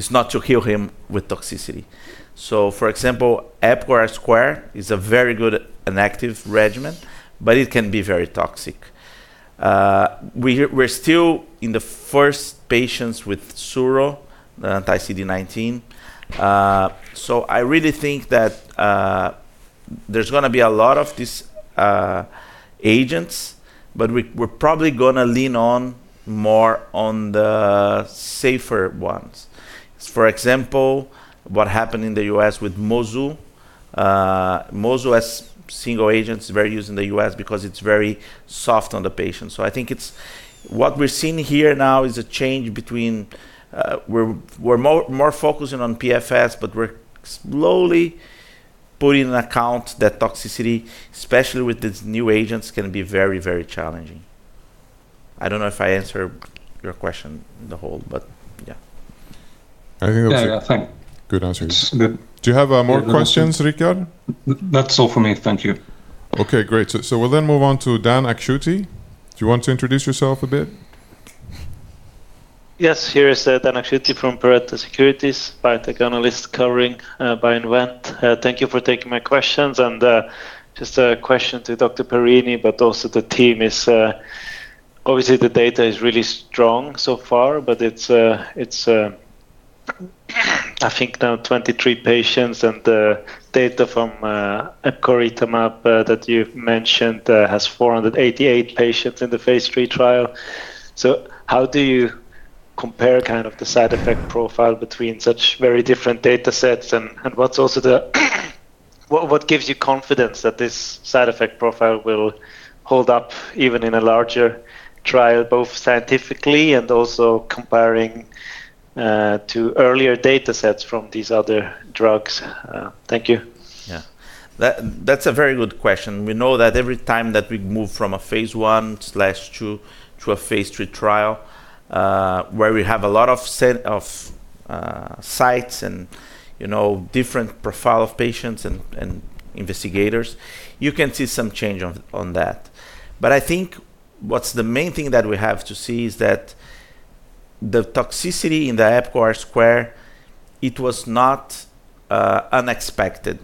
is not to kill him with toxicity." For example, EPCORE + R-squared is a very good and active regimen, but it can be very toxic. We're still in the first patients with surovatamig, the anti-CD19. I really think that there's going to be a lot of these agents, but we're probably going to lean on more on the safer ones. For example, what happened in the U.S. with mozu. Mozu as single agent is very used in the U.S. because it's very soft on the patient. I think what we're seeing here now is a change between we're more focusing on PFS, but we're slowly putting into account that toxicity, especially with these new agents, can be very challenging. I don't know if I answered your question, the whole. I think that's- Yeah. Thank you Good answer. It's good. Do you have more questions, Richard? That's all from me. Thank you. Great. We'll then move on to Dan Akschuti. Do you want to introduce yourself a bit? Here is Dan Akschuti from Pareto Securities, biotech analyst covering BioInvent. Thank you for taking my questions. Just a question to Dr. Perini, but also the team is, obviously the data is really strong so far, but it's I think now 23 patients, and the data from epcoritamab that you've mentioned has 488 patients in the phase III trial. How do you compare the side effect profile between such very different data sets and what gives you confidence that this side effect profile will hold up even in a larger trial, both scientifically and also comparing to earlier data sets from these other drugs? Thank you. That's a very good question. We know that every time that we move from a phase I/II to a phase III trial, where we have a lot of sites and different profile of patients and investigators, you can see some change on that. I think what's the main thing that we have to see is that the toxicity in the EPCORE + R-squared, it was not unexpected.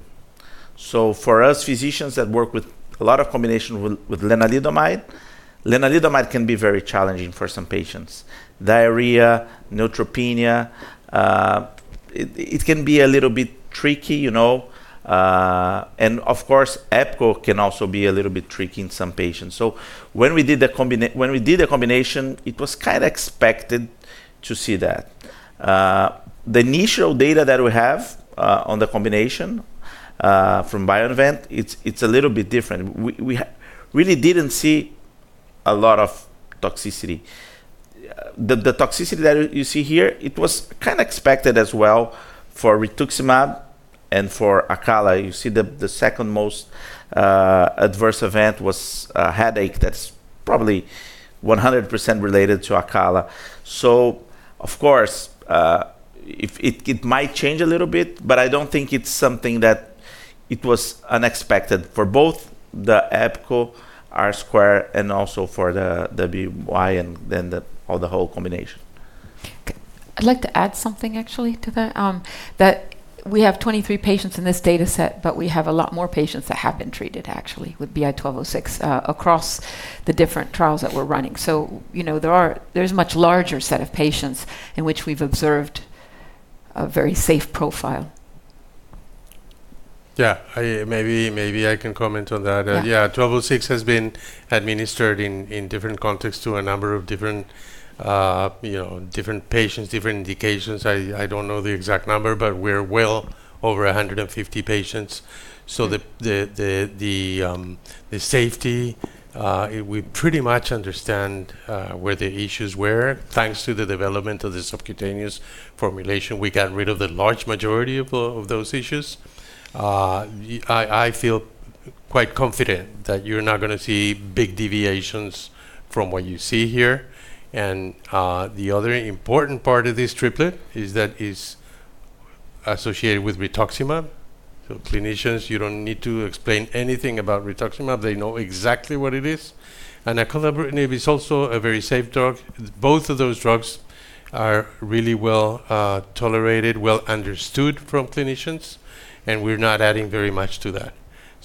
For us physicians that work with a lot of combination with lenalidomide can be very challenging for some patients. Diarrhea, neutropenia, it can be a little bit tricky. Of course, epcoritamab can also be a little bit tricky in some patients. When we did the combination, it was kind of expected to see that. The initial data that we have on the combination from BioInvent, it's a little bit different. We really didn't see a lot of toxicity. The toxicity that you see here, it was kind of expected as well for rituximab and for acalabrutinib. You see the second most adverse event was a headache that's probably 100% related to acalabrutinib. Of course, it might change a little bit, but I don't think it's something that it was unexpected for both the EPCORE + R-squared and also for the BI and then the whole combination. I'd like to add something actually to that. That we have 23 patients in this data set, but we have a lot more patients that have been treated actually with BI-1206 across the different trials that we're running. There's a much larger set of patients in which we've observed a very safe profile. Maybe I can comment on that. Yeah. Yeah. BI-1206 has been administered in different contexts to a number of different patients, different indications. I don't know the exact number, but we're well over 150 patients. The safety, we pretty much understand where the issues were. Thanks to the development of the subcutaneous formulation, we got rid of the large majority of those issues. I feel quite confident that you're not going to see big deviations from what you see here. The other important part of this triplet is that it's associated with rituximab. Clinicians, you don't need to explain anything about rituximab. They know exactly what it is. Acalabrutinib is also a very safe drug. Both of those drugs are really well-tolerated, well understood from clinicians, and we're not adding very much to that.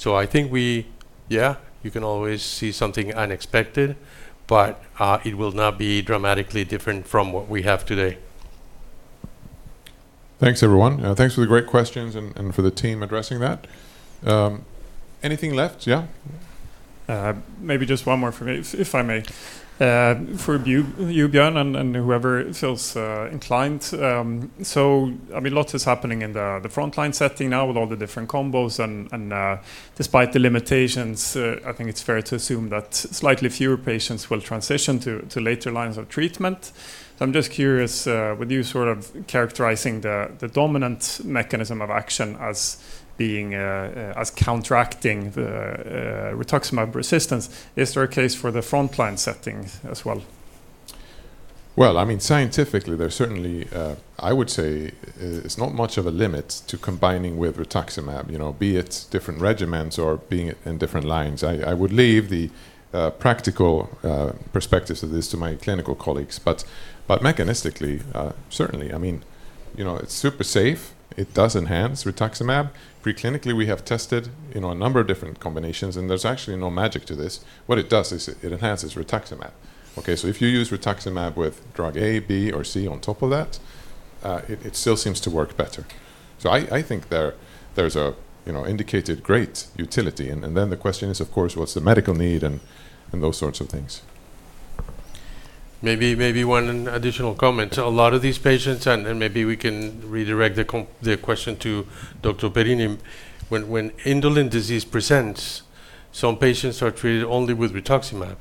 I think we, yeah, you can always see something unexpected, but it will not be dramatically different from what we have today. Thanks, everyone. Thanks for the great questions and for the team addressing that. Anything left? Yeah. Maybe just one more from me, if I may. For you, Björn, and whoever feels inclined. A lot is happening in the frontline setting now with all the different combos, and despite the limitations, I think it's fair to assume that slightly fewer patients will transition to later lines of treatment. I'm just curious, with you sort of characterizing the dominant mechanism of action as counteracting the rituximab resistance, is there a case for the frontline setting as well? Scientifically, there's certainly, I would say it's not much of a limit to combining with rituximab, be it different regimens or being in different lines. I would leave the practical perspectives of this to my clinical colleagues. Mechanistically, certainly, it's super safe. It does enhance rituximab. Preclinically, we have tested a number of different combinations, and there's actually no magic to this. What it does is it enhances rituximab. Okay? If you use rituximab with drug A, B, or C on top of that, it still seems to work better. I think there's indicated great utility, and then the question is, of course, what's the medical need and those sorts of things. Maybe one additional comment. A lot of these patients, and maybe we can redirect the question to Dr. Perini. When indolent disease presents, some patients are treated only with rituximab.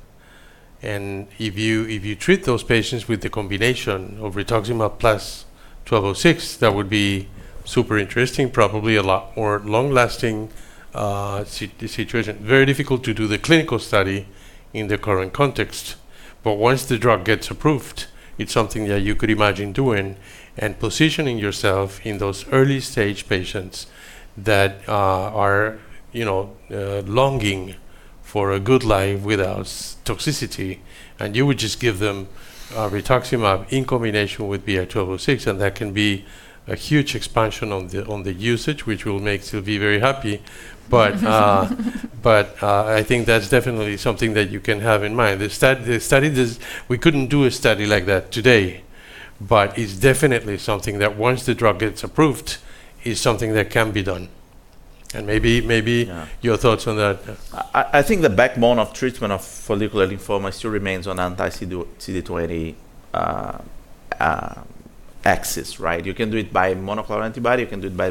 If you treat those patients with the combination of rituximab plus BI-1206, that would be super interesting, probably a lot more long-lasting situation. Very difficult to do the clinical study in the current context. Once the drug gets approved, it's something that you could imagine doing and positioning yourself in those early-stage patients that are longing for a good life without toxicity. You would just give them rituximab in combination with BI-1206, and that can be a huge expansion on the usage, which will make Sylvie very happy. I think that's definitely something that you can have in mind. We couldn't do a study like that today, it's definitely something that once the drug gets approved, is something that can be done. Maybe your thoughts on that. I think the backbone of treatment of follicular lymphoma still remains on anti-CD20 axis. You can do it by monoclonal antibody, you can do it by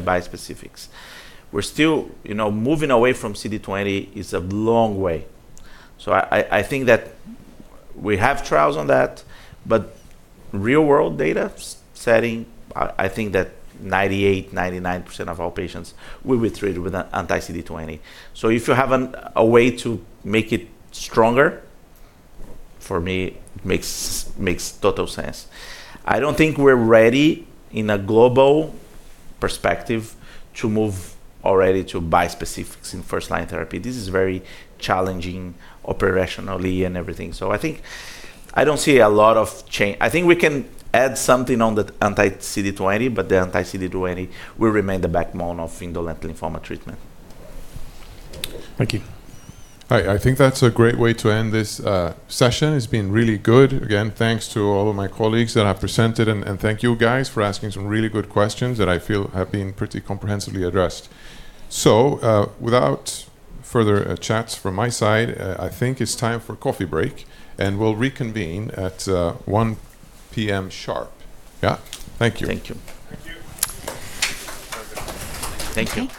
bispecifics. Moving away from CD20 is a long way. I think that we have trials on that, real-world data setting, I think that 98%, 99% of our patients will be treated with an anti-CD20. If you have a way to make it stronger, for me, makes total sense. I don't think we're ready in a global perspective to move already to bispecifics in first-line therapy. This is very challenging operationally and everything. I think I don't see a lot of change. I think we can add something on the anti-CD20, the anti-CD20 will remain the backbone of indolent lymphoma treatment. Thank you. I think that's a great way to end this session. It's been really good. Again, thanks to all of my colleagues that have presented, Thank you guys for asking some really good questions that I feel have been pretty comprehensively addressed. Without further chats from my side, I think it's time for a coffee break, and we'll reconvene at 1:00 P.M. sharp. Yeah. Thank you. Thank you. Thank you. Thank you. Thank you.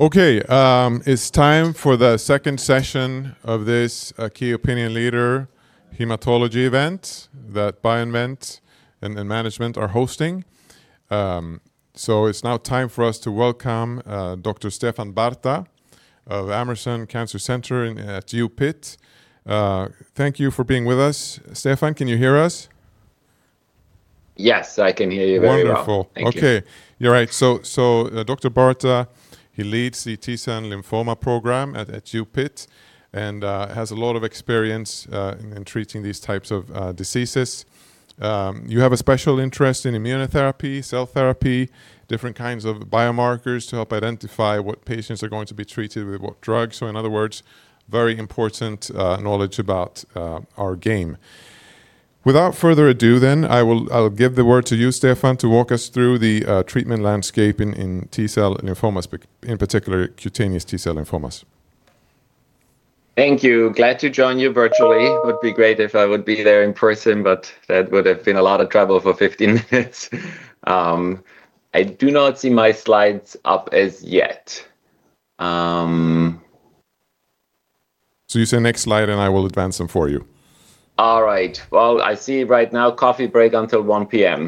Okay. It's time for the second session of this key opinion leader hematology event that BioInvent and then management are hosting. It's now time for us to welcome Dr. Stefan Barta of Abramson Cancer Center at UPenn. Thank you for being with us. Stefan, can you hear us? Yes, I can hear you very well. Wonderful. Thank you. You're all right. Dr. Barta, he leads the T-cell lymphoma program at UPenn and has a lot of experience in treating these types of diseases. You have a special interest in immunotherapy, cell therapy, different kinds of biomarkers to help identify what patients are going to be treated with what drugs. In other words, very important knowledge about our game. Without further ado, I will give the word to you, Stefan, to walk us through the treatment landscape in T-cell lymphomas, in particular cutaneous T-cell lymphomas. Thank you. Glad to join you virtually. Would be great if I would be there in person, that would have been a lot of travel for 15 minutes. I do not see my slides up as yet. You say, "Next slide," I will advance them for you. All right. Well, I see right now coffee break until 1:00 P.M.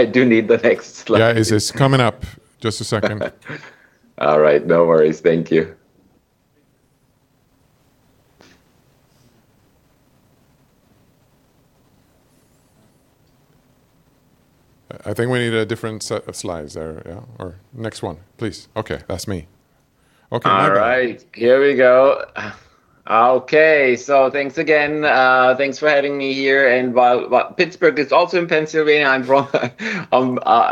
I do need the next slide. Yeah, it's coming up. Just a second. All right, no worries. Thank you. I think we need a different set of slides there, yeah. Next one, please. Okay, that's me. Okay. All right. Here we go. Okay. Thanks again. Thanks for having me here. While Pittsburgh is also in Pennsylvania, I'm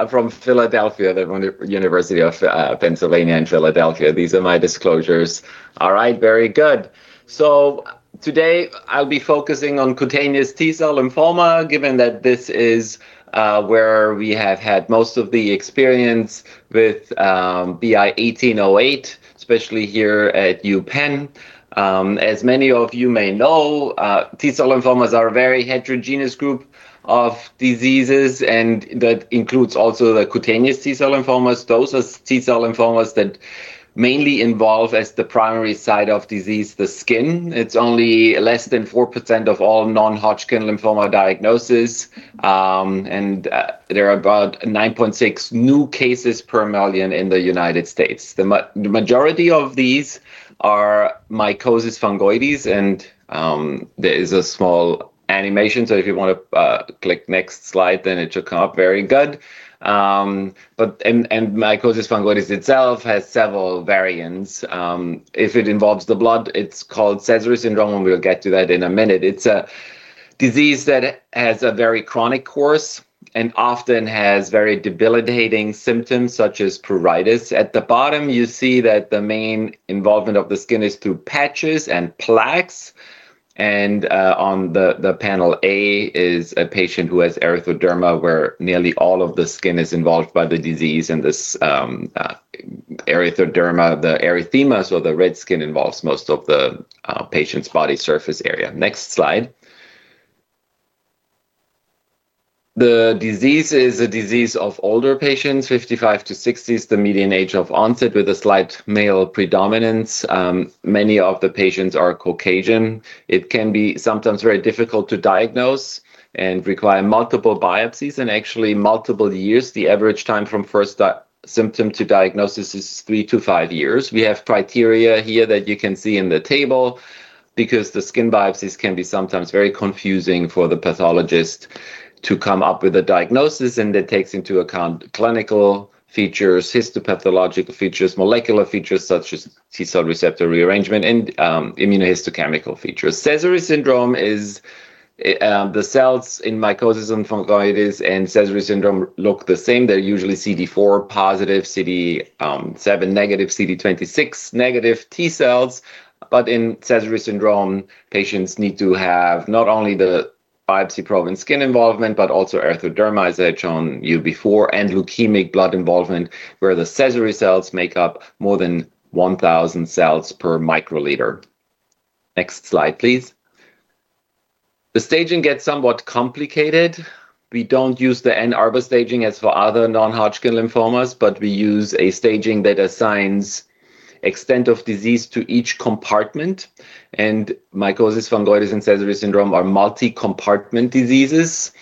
from Philadelphia, the University of Pennsylvania in Philadelphia. These are my disclosures. All right. Very good. Today, I'll be focusing on cutaneous T-cell lymphoma, given that this is where we have had most of the experience with BI-1808, especially here at UPenn. As many of you may know, T-cell lymphomas are a very heterogeneous group of diseases, and that includes also the cutaneous T-cell lymphomas. Those are T-cell lymphomas that mainly involve, as the primary site of disease, the skin. It's only less than 4% of all non-Hodgkin lymphoma diagnoses. There are about 9.6 new cases per million in the U.S. The majority of these are mycosis fungoides, there is a small animation. If you want to click next slide, it should come up. Very good. Mycosis fungoides itself has several variants. If it involves the blood, it's called Sézary syndrome, we'll get to that in a minute. It's a disease that has a very chronic course and often has very debilitating symptoms such as pruritus. At the bottom, you see that the main involvement of the skin is through patches and plaques. On the panel A is a patient who has erythroderma, where nearly all of the skin is involved by the disease. This erythroderma, the erythema, the red skin, involves most of the patient's body surface area. Next slide. The disease is a disease of older patients, 55 to 60 is the median age of onset, with a slight male predominance. Many of the patients are Caucasian. It can be sometimes very difficult to diagnose and require multiple biopsies and actually multiple years. The average time from first symptom to diagnosis is 3 to 5 years. We have criteria here that you can see in the table because the skin biopsies can be sometimes very confusing for the pathologist to come up with a diagnosis, and that takes into account clinical features, histopathological features, molecular features such as T-cell receptor rearrangement, and immunohistochemical features. Sézary syndrome is the cells in mycosis fungoides and Sézary syndrome look the same. They're usually CD4 positive, CD7 negative, CD26 negative T-cells. In Sézary syndrome, patients need to have not only biopsy-proven skin involvement, but also erythroderma, as I had shown you before, and leukemic blood involvement, where the Sézary cells make up more than 1,000 cells per microliter. Next slide, please. The staging gets somewhat complicated. We don't use the Ann Arbor staging as for other non-Hodgkin lymphomas, we use a staging that assigns extent of disease to each compartment, mycosis fungoides and Sézary syndrome are multi-compartment diseases.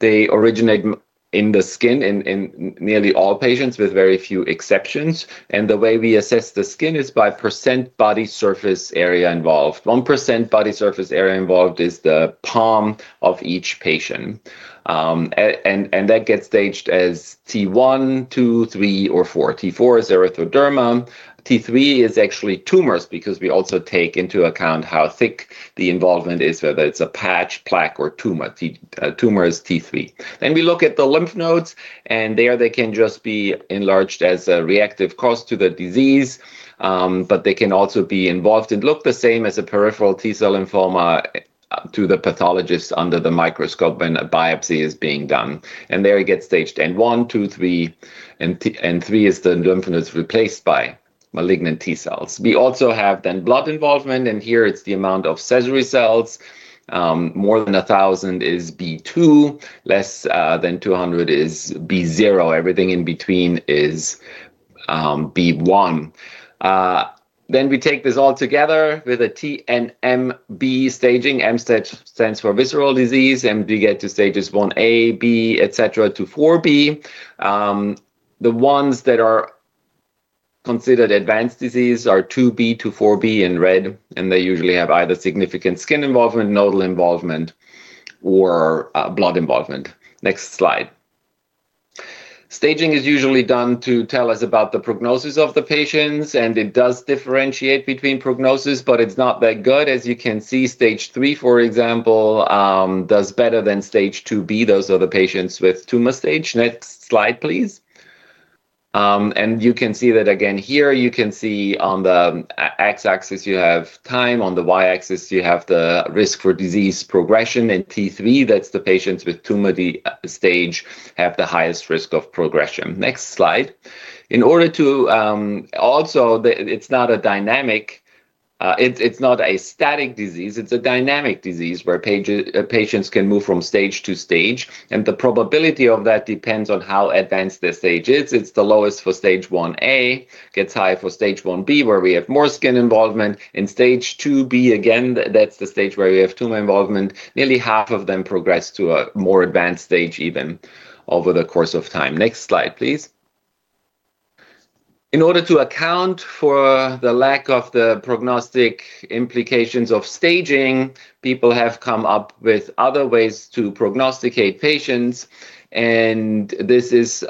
They originate in the skin in nearly all patients with very few exceptions, the way we assess the skin is by percent body surface area involved. 1% body surface area involved is the palm of each patient. That gets staged as T1, 2, 3, or 4. T4 is erythroderma. T3 is actually tumors because we also take into account how thick the involvement is, whether it's a patch, plaque, or tumor. Tumor is T3. We look at the lymph nodes, and there they can just be enlarged as a reactive cause to the disease, but they can also be involved and look the same as a peripheral T-cell lymphoma to the pathologist under the microscope when a biopsy is being done. There it gets staged N1, 2, 3, and 3 is the lymph node's replaced by malignant T-cells. We also have blood involvement, and here it's the amount of Sézary cells. More than 1,000 is B2, less than 200 is B0. Everything in between is B1. We take this all together with a T and MB staging. M stage stands for visceral disease, and we get to stages 1A, B, et cetera, to 4B. The ones that are considered advanced disease are 2B to 4B in red, and they usually have either significant skin involvement, nodal involvement, or blood involvement. Next slide. Staging is usually done to tell us about the prognosis of the patients, but it does differentiate between prognosis, but it's not that good. As you can see, stage III, for example, does better than stage 2B. Those are the patients with tumor stage. Next slide, please. You can see that again here. You can see on the x-axis you have time, on the y-axis you have the risk for disease progression. In T3, that's the patients with tumor stage have the highest risk of progression. Next slide. It's not a static disease. It's a dynamic disease where patients can move from stage to stage, and the probability of that depends on how advanced their stage is. It's the lowest for stage 1A, gets high for stage 1B where we have more skin involvement. In stage 2B, again, that's the stage where we have tumor involvement. Nearly half of them progress to a more advanced stage even over the course of time. Next slide, please. In order to account for the lack of the prognostic implications of staging, people have come up with other ways to prognosticate patients. This is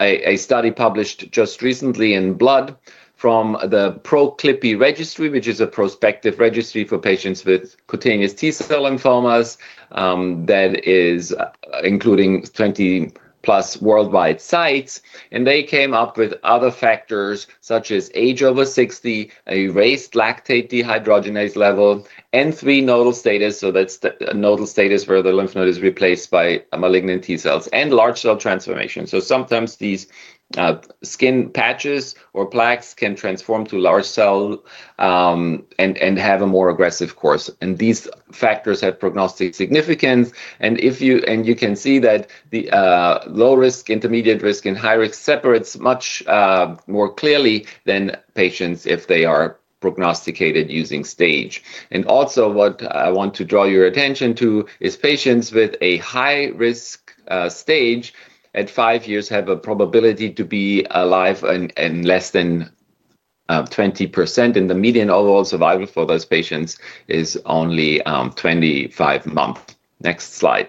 a study published just recently in "Blood" from the PROCLIPI registry, which is a prospective registry for patients with cutaneous T-cell lymphomas that is including 20+ worldwide sites. They came up with other factors such as age over 60, a raised lactate dehydrogenase level, N3 nodal status, that's the nodal status where the lymph node is replaced by malignant T-cells, large cell transformation. Sometimes these skin patches or plaques can transform to large cell and have a more aggressive course. These factors have prognostic significance. You can see that the low risk, intermediate risk, high risk separates much more clearly than patients if they are prognosticated using stage. What I want to draw your attention to is patients with a high-risk stage at five years have a probability to be alive in less than 20%, the median overall survival for those patients is only 25 months. Next slide.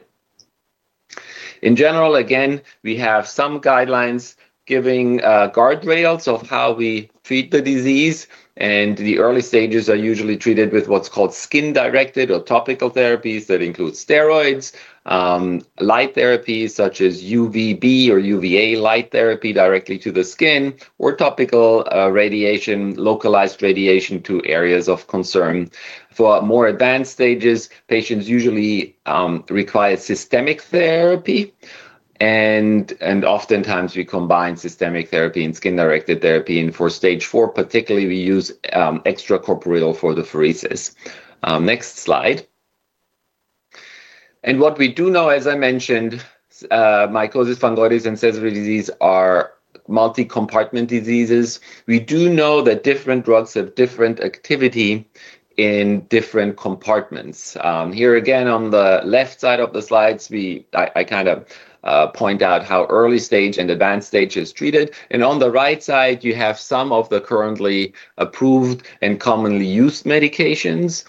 In general, again, we have some guidelines giving guardrails of how we treat the disease, the early stages are usually treated with what's called skin-directed or topical therapies. That includes steroids, light therapy such as UVB or UVA light therapy directly to the skin, or topical radiation, localized radiation to areas of concern. For more advanced stages, patients usually require systemic therapy, oftentimes we combine systemic therapy and skin-directed therapy, for stage IV particularly, we use extracorporeal photopheresis. Next slide. What we do know, as I mentioned, mycosis fungoides and Sézary disease are multi-compartment diseases. We do know that different drugs have different activity in different compartments. Here again, on the left side of the slides, I kind of point out how early stage and advanced stage is treated. On the right side, you have some of the currently approved and commonly used medications.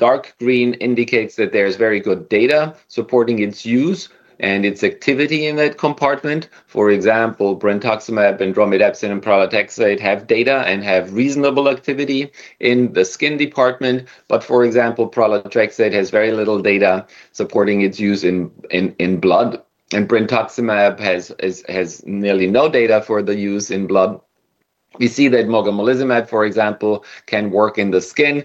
Dark green indicates that there's very good data supporting its use and its activity in that compartment. For example, brentuximab vedotin, romidepsin, and pralatrexate have data and have reasonable activity in the skin compartment. For example, pralatrexate has very little data supporting its use in blood, and brentuximab has nearly no data for the use in blood. We see that mogamulizumab, for example, can work in the skin,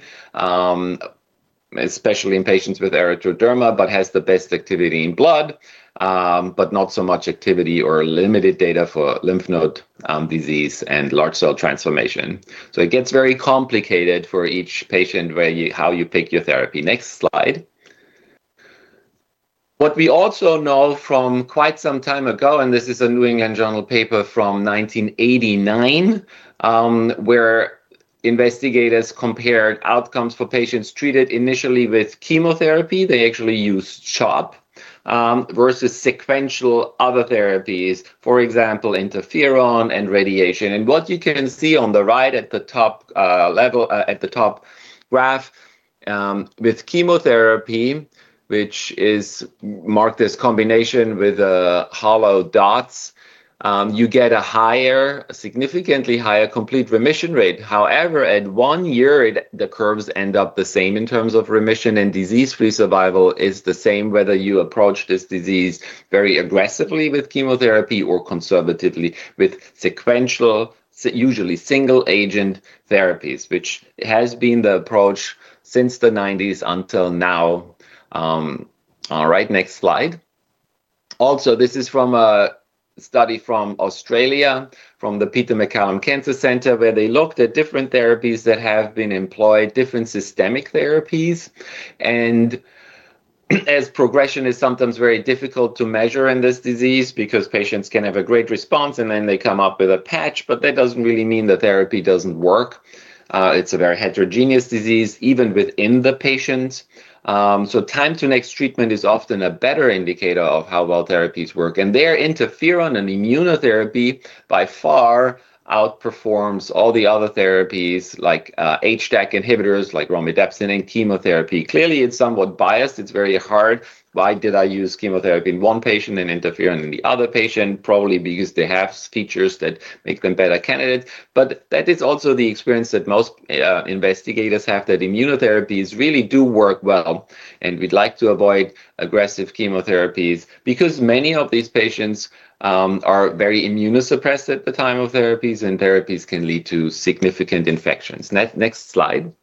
especially in patients with erythroderma, but has the best activity in blood, but not so much activity or limited data for lymph node disease and large cell transformation. It gets very complicated for each patient how you pick your therapy. Next slide. What we also know from quite some time ago, this is a The New England Journal of Medicine paper from 1989, where investigators compared outcomes for patients treated initially with chemotherapy. They actually used CHOP versus sequential other therapies, for example, interferon and radiation. What you can see on the right at the top graph, with chemotherapy, which is marked as combination with hollow dots, you get a significantly higher complete remission rate. However, at one year, the curves end up the same in terms of remission, and disease-free survival is the same whether you approach this disease very aggressively with chemotherapy or conservatively with sequential, usually single agent therapies, which has been the approach since the '90s until now. All right, next slide. This is from a study from Australia, from the Peter MacCallum Cancer Centre, where they looked at different therapies that have been employed, different systemic therapies. As progression is sometimes very difficult to measure in this disease because patients can have a great response and then they come up with a patch, but that doesn't really mean the therapy doesn't work. It's a very heterogeneous disease, even within the patient. Time to next treatment is often a better indicator of how well therapies work. There, interferon and immunotherapy by far outperforms all the other therapies like HDAC inhibitors, like romidepsin and chemotherapy. Clearly, it's somewhat biased. It's very hard. Why did I use chemotherapy in one patient and interferon in the other patient? Probably because they have features that make them better candidates. That is also the experience that most investigators have, that immunotherapies really do work well, and we'd like to avoid aggressive chemotherapies because many of these patients are very immunosuppressed at the time of therapies, and therapies can lead to significant infections. Next slide.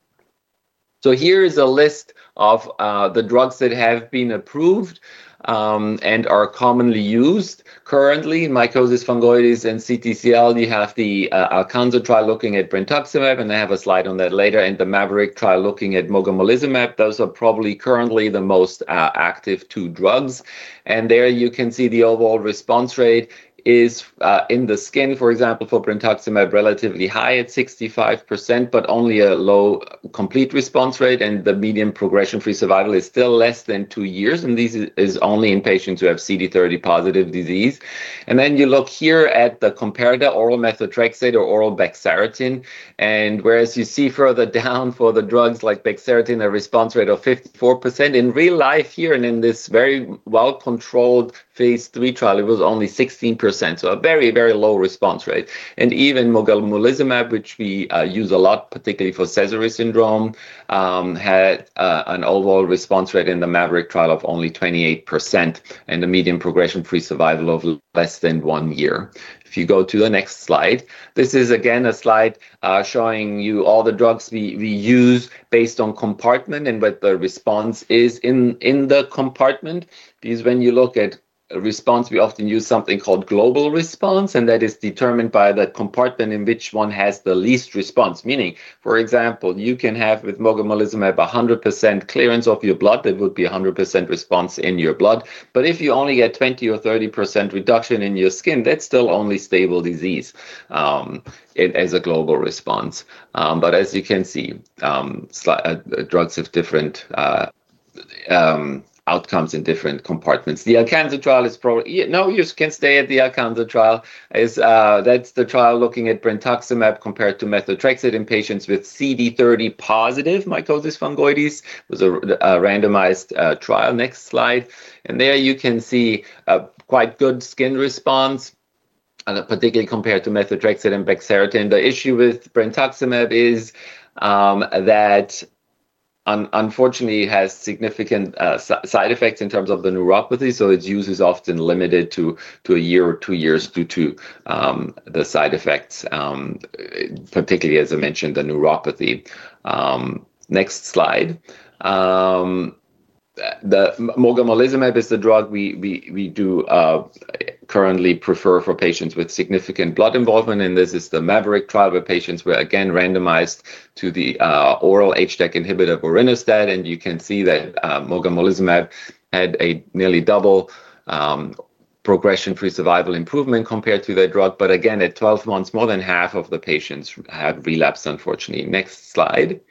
Here is a list of the drugs that have been approved and are commonly used currently. Mycosis fungoides and CTCL, you have the ALCANZA trial looking at brentuximab, I have a slide on that later, and the MAVORIC trial looking at mogamulizumab. Those are probably currently the most active two drugs. There you can see the overall response rate is in the skin, for example, for Brentuximab, relatively high at 65%, but only a low complete response rate, the median progression-free survival is still less than two years, this is only in patients who have CD30-positive disease. Then you look here at the comparator oral methotrexate or oral bexarotene, whereas you see further down for the drugs like bexarotene, a response rate of 54%, in real life here and in this very well-controlled phase III trial, it was only 16%, so a very low response rate. Even mogamulizumab, which we use a lot, particularly for Sézary syndrome, had an overall response rate in the MAVORIC trial of only 28% and a median progression-free survival of less than one year. If you go to the next slide, this is again a slide showing you all the drugs we use based on compartment and what the response is in the compartment. When you look at response, we often use something called global response, that is determined by the compartment in which one has the least response. Meaning, for example, you can have with mogamulizumab 100% clearance of your blood. That would be 100% response in your blood. If you only get 20% or 30% reduction in your skin, that's still only stable disease as a global response. As you can see, drugs have different outcomes in different compartments. The ALCANZA trial is probably No, you can stay at the ALCANZA trial. That's the trial looking at Brentuximab compared to methotrexate in patients with CD30-positive mycosis fungoides. It was a randomized trial. Next slide. There you can see a quite good skin response, particularly compared to methotrexate and bexarotene. The issue with Brentuximab is that unfortunately, it has significant side effects in terms of the neuropathy, its use is often limited to a year or two years due to the side effects, particularly, as I mentioned, the neuropathy. Next slide. Mogamulizumab is the drug we do currently prefer for patients with significant blood involvement, this is the MAVORIC trial, where patients were again randomized to the oral HDAC inhibitor vorinostat. You can see that mogamulizumab had a nearly double progression-free survival improvement compared to that drug. Again, at 12 months, more than half of the patients have relapsed, unfortunately. Next slide.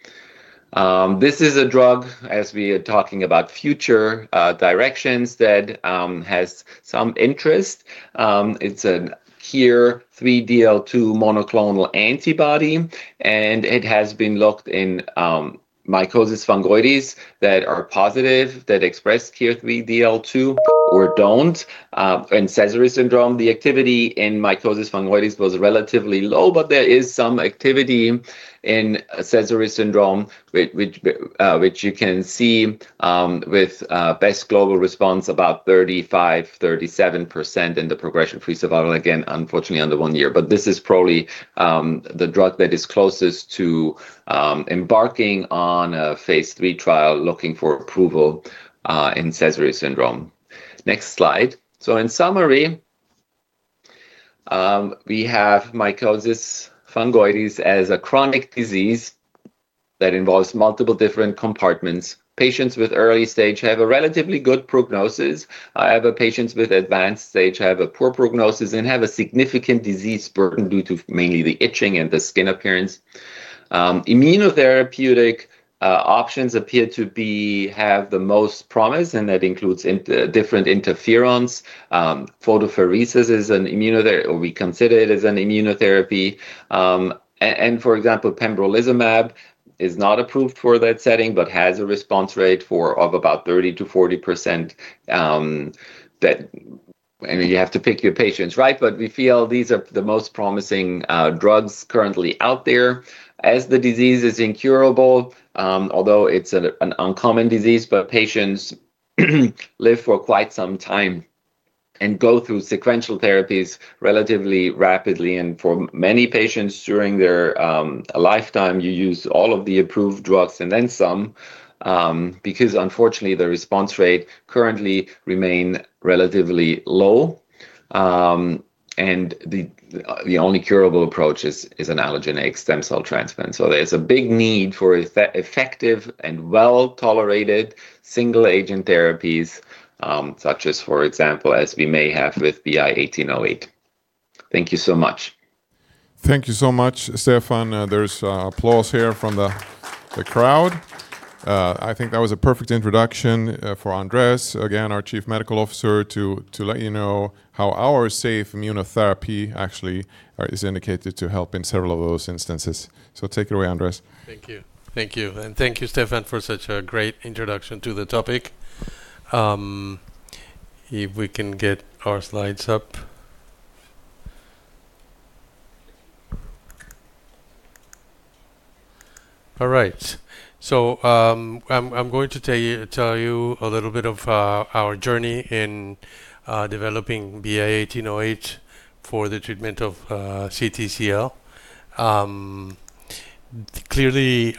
This is a drug as we are talking about future directions that has some interest. It's a KIR3DL2 monoclonal antibody, it has been looked in mycosis fungoides that are positive that express KIR3DL2 or don't. In Sézary syndrome, the activity in mycosis fungoides was relatively low, but there is some activity in Sézary syndrome, which you can see with best global response about 35%-37% in the progression-free survival. Again, unfortunately under one year. This is probably the drug that is closest to embarking on a phase III trial looking for approval in Sézary syndrome. Next slide. In summary, we have mycosis fungoides as a chronic disease that involves multiple different compartments. Patients with early stage have a relatively good prognosis. However, patients with advanced stage have a poor prognosis and have a significant disease burden due to mainly the itching and the skin appearance. Immunotherapeutic options appear to have the most promise, that includes different interferons. Photopheresis, we consider it as an immunotherapy. For example, pembrolizumab is not approved for that setting, but has a response rate of about 30%-40%. You have to pick your patients right, but we feel these are the most promising drugs currently out there as the disease is incurable. Although it's an uncommon disease, patients live for quite some time and go through sequential therapies relatively rapidly. For many patients during their lifetime, you use all of the approved drugs and then some, because unfortunately, the response rate currently remain relatively low. The only curable approach is an allogeneic stem cell transplant. There's a big need for effective and well-tolerated single-agent therapies, such as, for example, as we may have with BI-1808. Thank you so much. Thank you so much, Stefan. There's applause here from the crowd. I think that was a perfect introduction for Andres, again, our Chief Medical Officer, to let you know how our safe immunotherapy actually is indicated to help in several of those instances. Take it away, Andres. Thank you. Thank you, Stefan, for such a great introduction to the topic. If we can get our slides up. All right. I'm going to tell you a little bit of our journey in developing BI-1808 for the treatment of CTCL. Clearly,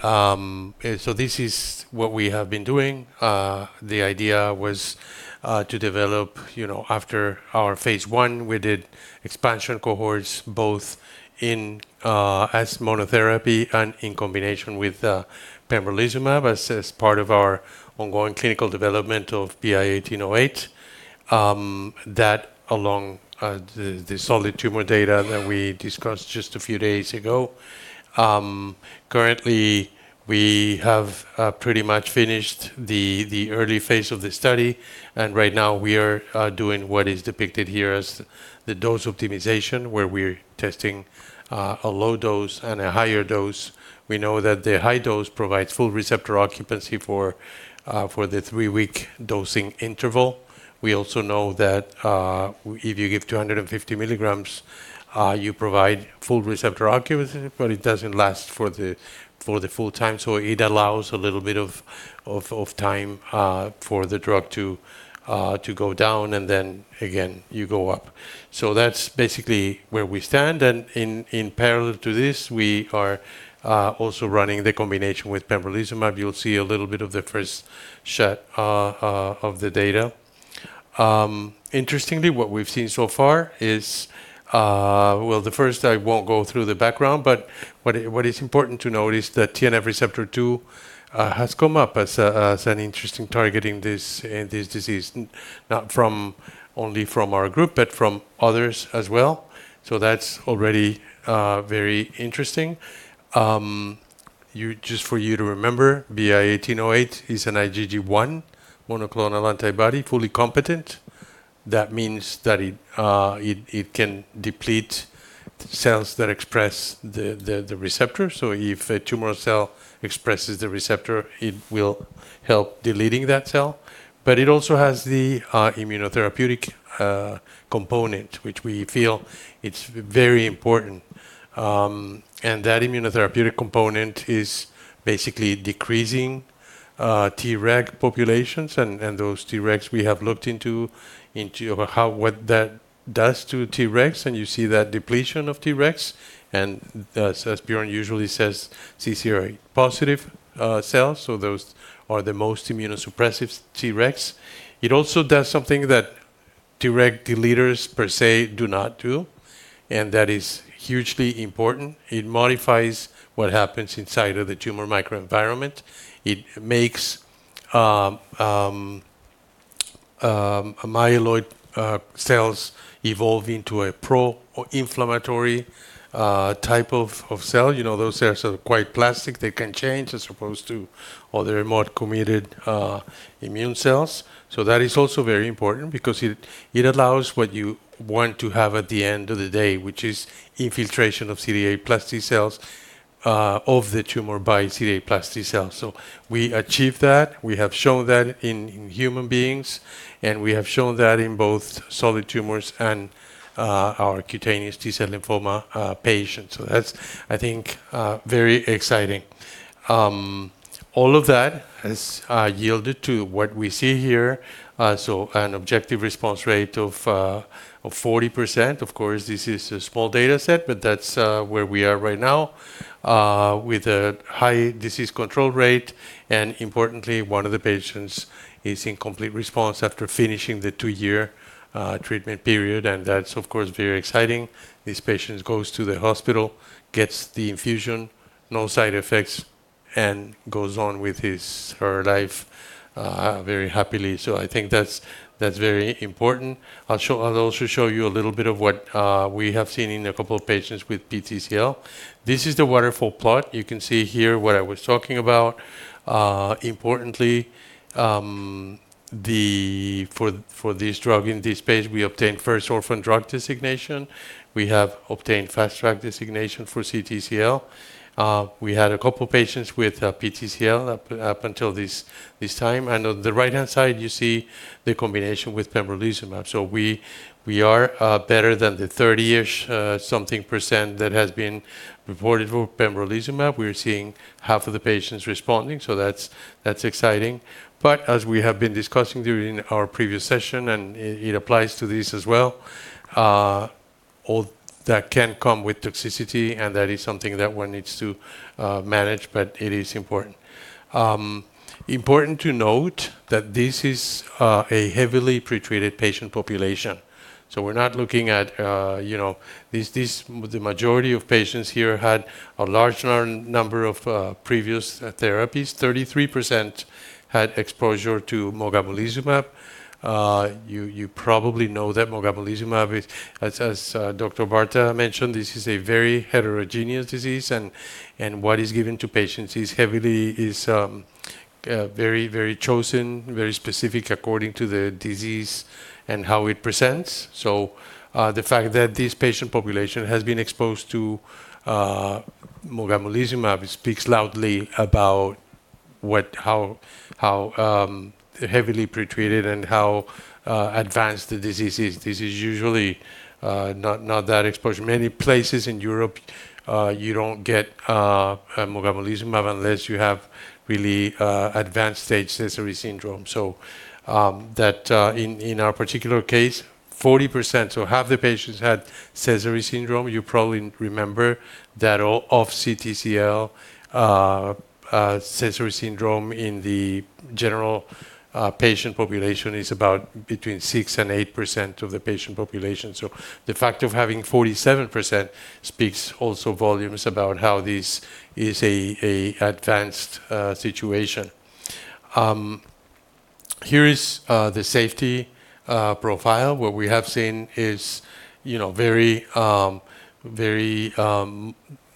this is what we have been doing. The idea was to develop, after our phase I, we did expansion cohorts both as monotherapy and in combination with pembrolizumab as part of our ongoing clinical development of BI-1808, that along the solid tumor data that we discussed just a few days ago. Currently, we have pretty much finished the early phase of the study, and right now we are doing what is depicted here as the dose optimization, where we're testing a low dose and a higher dose. We know that the high dose provides full receptor occupancy for the three-week dosing interval. We also know that if you give 250 mg, you provide full receptor occupancy, but it doesn't last for the full time, so it allows a little bit of time for the drug to go down, and then again, you go up. That's basically where we stand, and in parallel to this, we are also running the combination with pembrolizumab. You'll see a little bit of the first shot of the data. Interestingly, what we've seen so far is, well, the first, I won't go through the background, but what is important to note is that TNF receptor two has come up as an interesting targeting this disease, not only from our group, but from others as well. That's already very interesting. Just for you to remember, BI-1808 is an IgG1 monoclonal antibody, fully competent. That means that it can deplete cells that express the receptor. If a tumor cell expresses the receptor, it will help deleting that cell. It also has the immunotherapeutic component, which we feel it's very important. That immunotherapeutic component is basically decreasing Tregs populations. Those Tregs we have looked into what that does to Tregs, and you see that depletion of Tregs. As Björn usually says, CCR8 positive cells, those are the most immunosuppressive Tregs. It also does something that Treg deleters per se do not do, and that is hugely important. It modifies what happens inside of the tumor microenvironment. It makes myeloid cells evolve into a pro-inflammatory type of cell. Those cells are quite plastic. They can change as opposed to other more committed immune cells. That is also very important because it allows what you want to have at the end of the day, which is infiltration of CD8+ T-cells of the tumor by CD8+ T-cells. We achieved that. We have shown that in human beings, and we have shown that in both solid tumors and our cutaneous T-cell lymphoma patients. That's, I think, very exciting. All of that has yielded to what we see here. An objective response rate of 40%. Of course, this is a small data set, but that's where we are right now, with a high disease control rate. Importantly, one of the patients is in complete response after finishing the two-year treatment period, and that's, of course, very exciting. This patient goes to the hospital, gets the infusion. No side effects and goes on with her life very happily. I think that's very important. I'll also show you a little bit of what we have seen in a couple of patients with PTCL. This is the waterfall plot. You can see here what I was talking about. Importantly, for this drug in this page, we obtained first orphan drug designation. We have obtained fast track designation for CTCL. We had a couple of patients with PTCL up until this time. On the right-hand side, you see the combination with pembrolizumab. We are better than the 30-ish something % that has been reported for pembrolizumab. We're seeing half of the patients responding, that's exciting. As we have been discussing during our previous session, and it applies to this as well, all that can come with toxicity, and that is something that one needs to manage, but it is important.zA Important to note that this is a heavily pretreated patient population. The majority of patients here had a large number of previous therapies. 33% had exposure to mogamulizumab. You probably know that mogamulizumab is, as Dr. Barta mentioned, this is a very heterogeneous disease, and what is given to patients is very chosen, very specific according to the disease and how it presents. The fact that this patient population has been exposed to mogamulizumab speaks loudly about how heavily pretreated and how advanced the disease is. This is usually not that exposure. Many places in Europe, you don't get mogamulizumab unless you have really advanced stage Sézary syndrome. In our particular case, 40% half the patients had Sézary syndrome. You probably remember that of CTCL, Sézary syndrome in the general patient population is about between 6% and 8% of the patient population. The fact of having 47% speaks also volumes about how this is an advanced situation. Here is the safety profile. What we have seen is very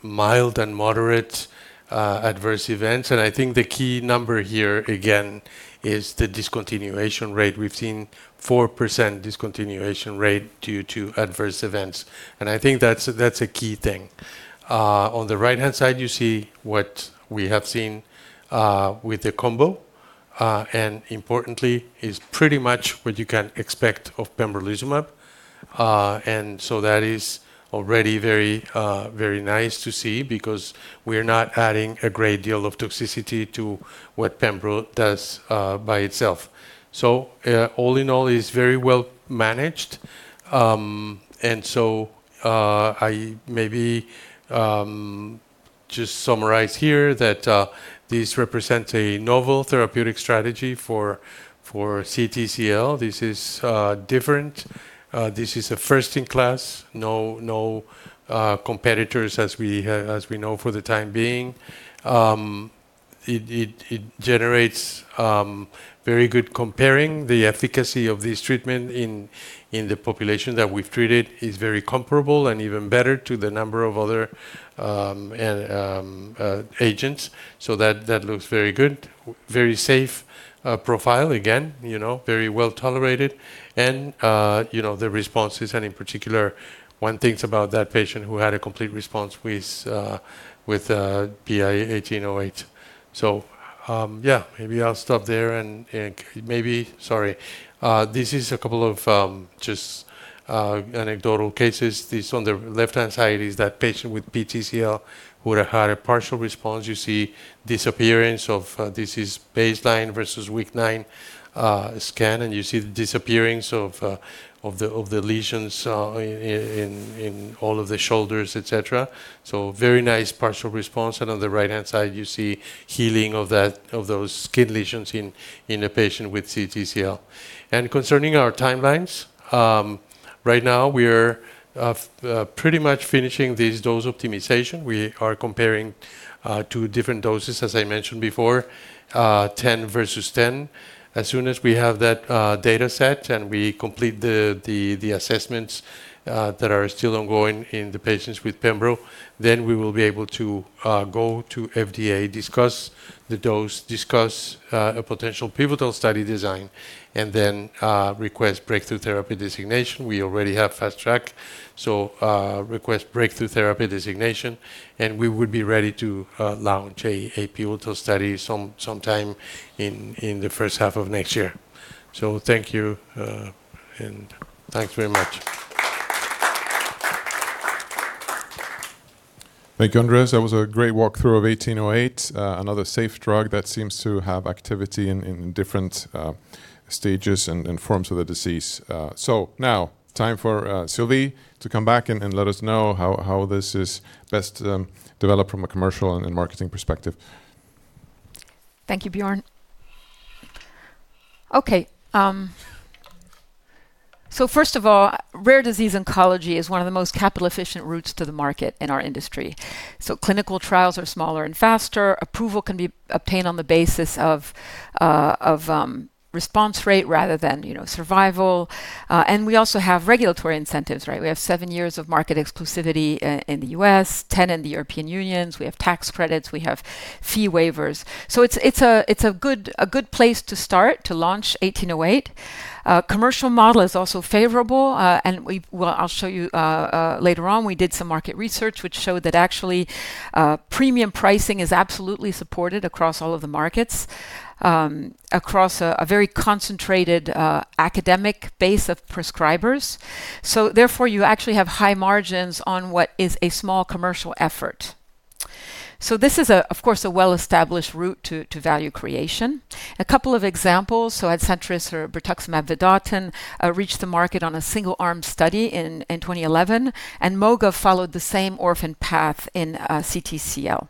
mild and moderate adverse events. I think the key number here, again, is the discontinuation rate. We've seen 4% discontinuation rate due to adverse events. I think that's a key thing. On the right-hand side, you see what we have seen with the combo. Importantly, is pretty much what you can expect of pembrolizumab. That is already very nice to see because we're not adding a great deal of toxicity to what pembro does by itself. All in all, it's very well managed. I maybe just summarize here that this represents a novel therapeutic strategy for CTCL. This is different. This is a first in class. No competitors as we know for the time being. It generates very good comparing the efficacy of this treatment in the population that we've treated is very comparable and even better to the number of other agents. That looks very good. Very safe profile again, very well tolerated. The responses, and in particular, one thinks about that patient who had a complete response with BI-1808. Yeah, maybe I'll stop there and maybe. Sorry. This is a couple of just anecdotal cases. This on the left-hand side is that patient with PTCL who had a partial response. You see disappearance of. This is baseline versus week 9 scan, and you see the disappearance of the lesions in all of the shoulders, et cetera. Very nice partial response. On the right-hand side, you see healing of those skin lesions in a patient with CTCL. Concerning our timelines, right now we're pretty much finishing this dose optimization. We are comparing two different doses, as I mentioned before, 10 versus 10. Soon as we have that data set and we complete the assessments that are still ongoing in the patients with pembro, we will be able to go to FDA, discuss the dose, discuss a potential pivotal study design, and then request breakthrough therapy designation. We already have fast track, request breakthrough therapy designation, and we would be ready to launch a pivotal study some time in the first half of next year. Thank you, and thanks very much. Thank you, Andres. That was a great walkthrough of BI-1808, another safe drug that seems to have activity in different stages and forms of the disease. Now time for Sylvie to come back and let us know how this is best developed from a commercial and marketing perspective. Thank you, Björn. First of all, rare disease oncology is one of the most capital-efficient routes to the market in our industry. Clinical trials are smaller and faster. Approval can be obtained on the basis of response rate rather than survival. We also have regulatory incentives. We have seven years of market exclusivity in the U.S., 10 in the European Union. We have tax credits. We have fee waivers. It's a good place to start to launch BI-1808. Commercial model is also favorable. I'll show you later on, we did some market research which showed that actually, premium pricing is absolutely supported across all of the markets, across a very concentrated academic base of prescribers. Therefore, you actually have high margins on what is a small commercial effort. This is, of course, a well-established route to value creation. A couple of examples, ADCETRIS or brentuximab vedotin, reached the market on a single-arm study in 2011. Moga followed the same orphan path in CTCL.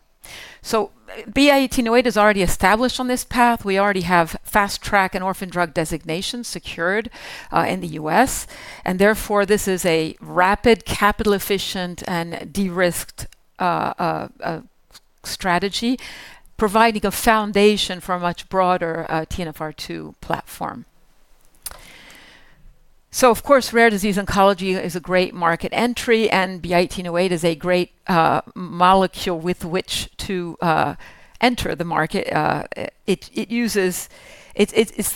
BI-1808 is already established on this path. We already have fast track and orphan drug designation secured in the U.S. Therefore, this is a rapid, capital-efficient, and de-risked strategy, providing a foundation for a much broader TNFR2 platform. Of course, rare disease oncology is a great market entry. BI-1808 is a great molecule with which to enter the market. It's the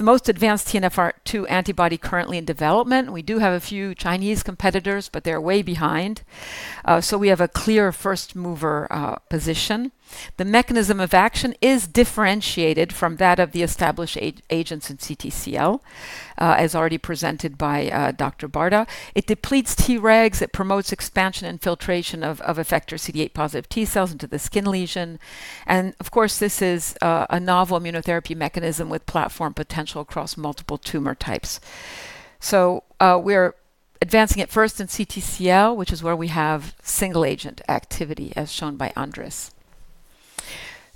most advanced TNFR2 antibody currently in development. We do have a few Chinese competitors, but they're way behind. We have a clear first-mover position. The mechanism of action is differentiated from that of the established agents in CTCL, as already presented by Dr. Barta. It depletes Tregs, it promotes expansion and filtration of effector CD8 positive T cells into the skin lesion. Of course, this is a novel immunotherapy mechanism with platform potential across multiple tumor types. We're advancing it first in CTCL, which is where we have single-agent activity, as shown by Andres.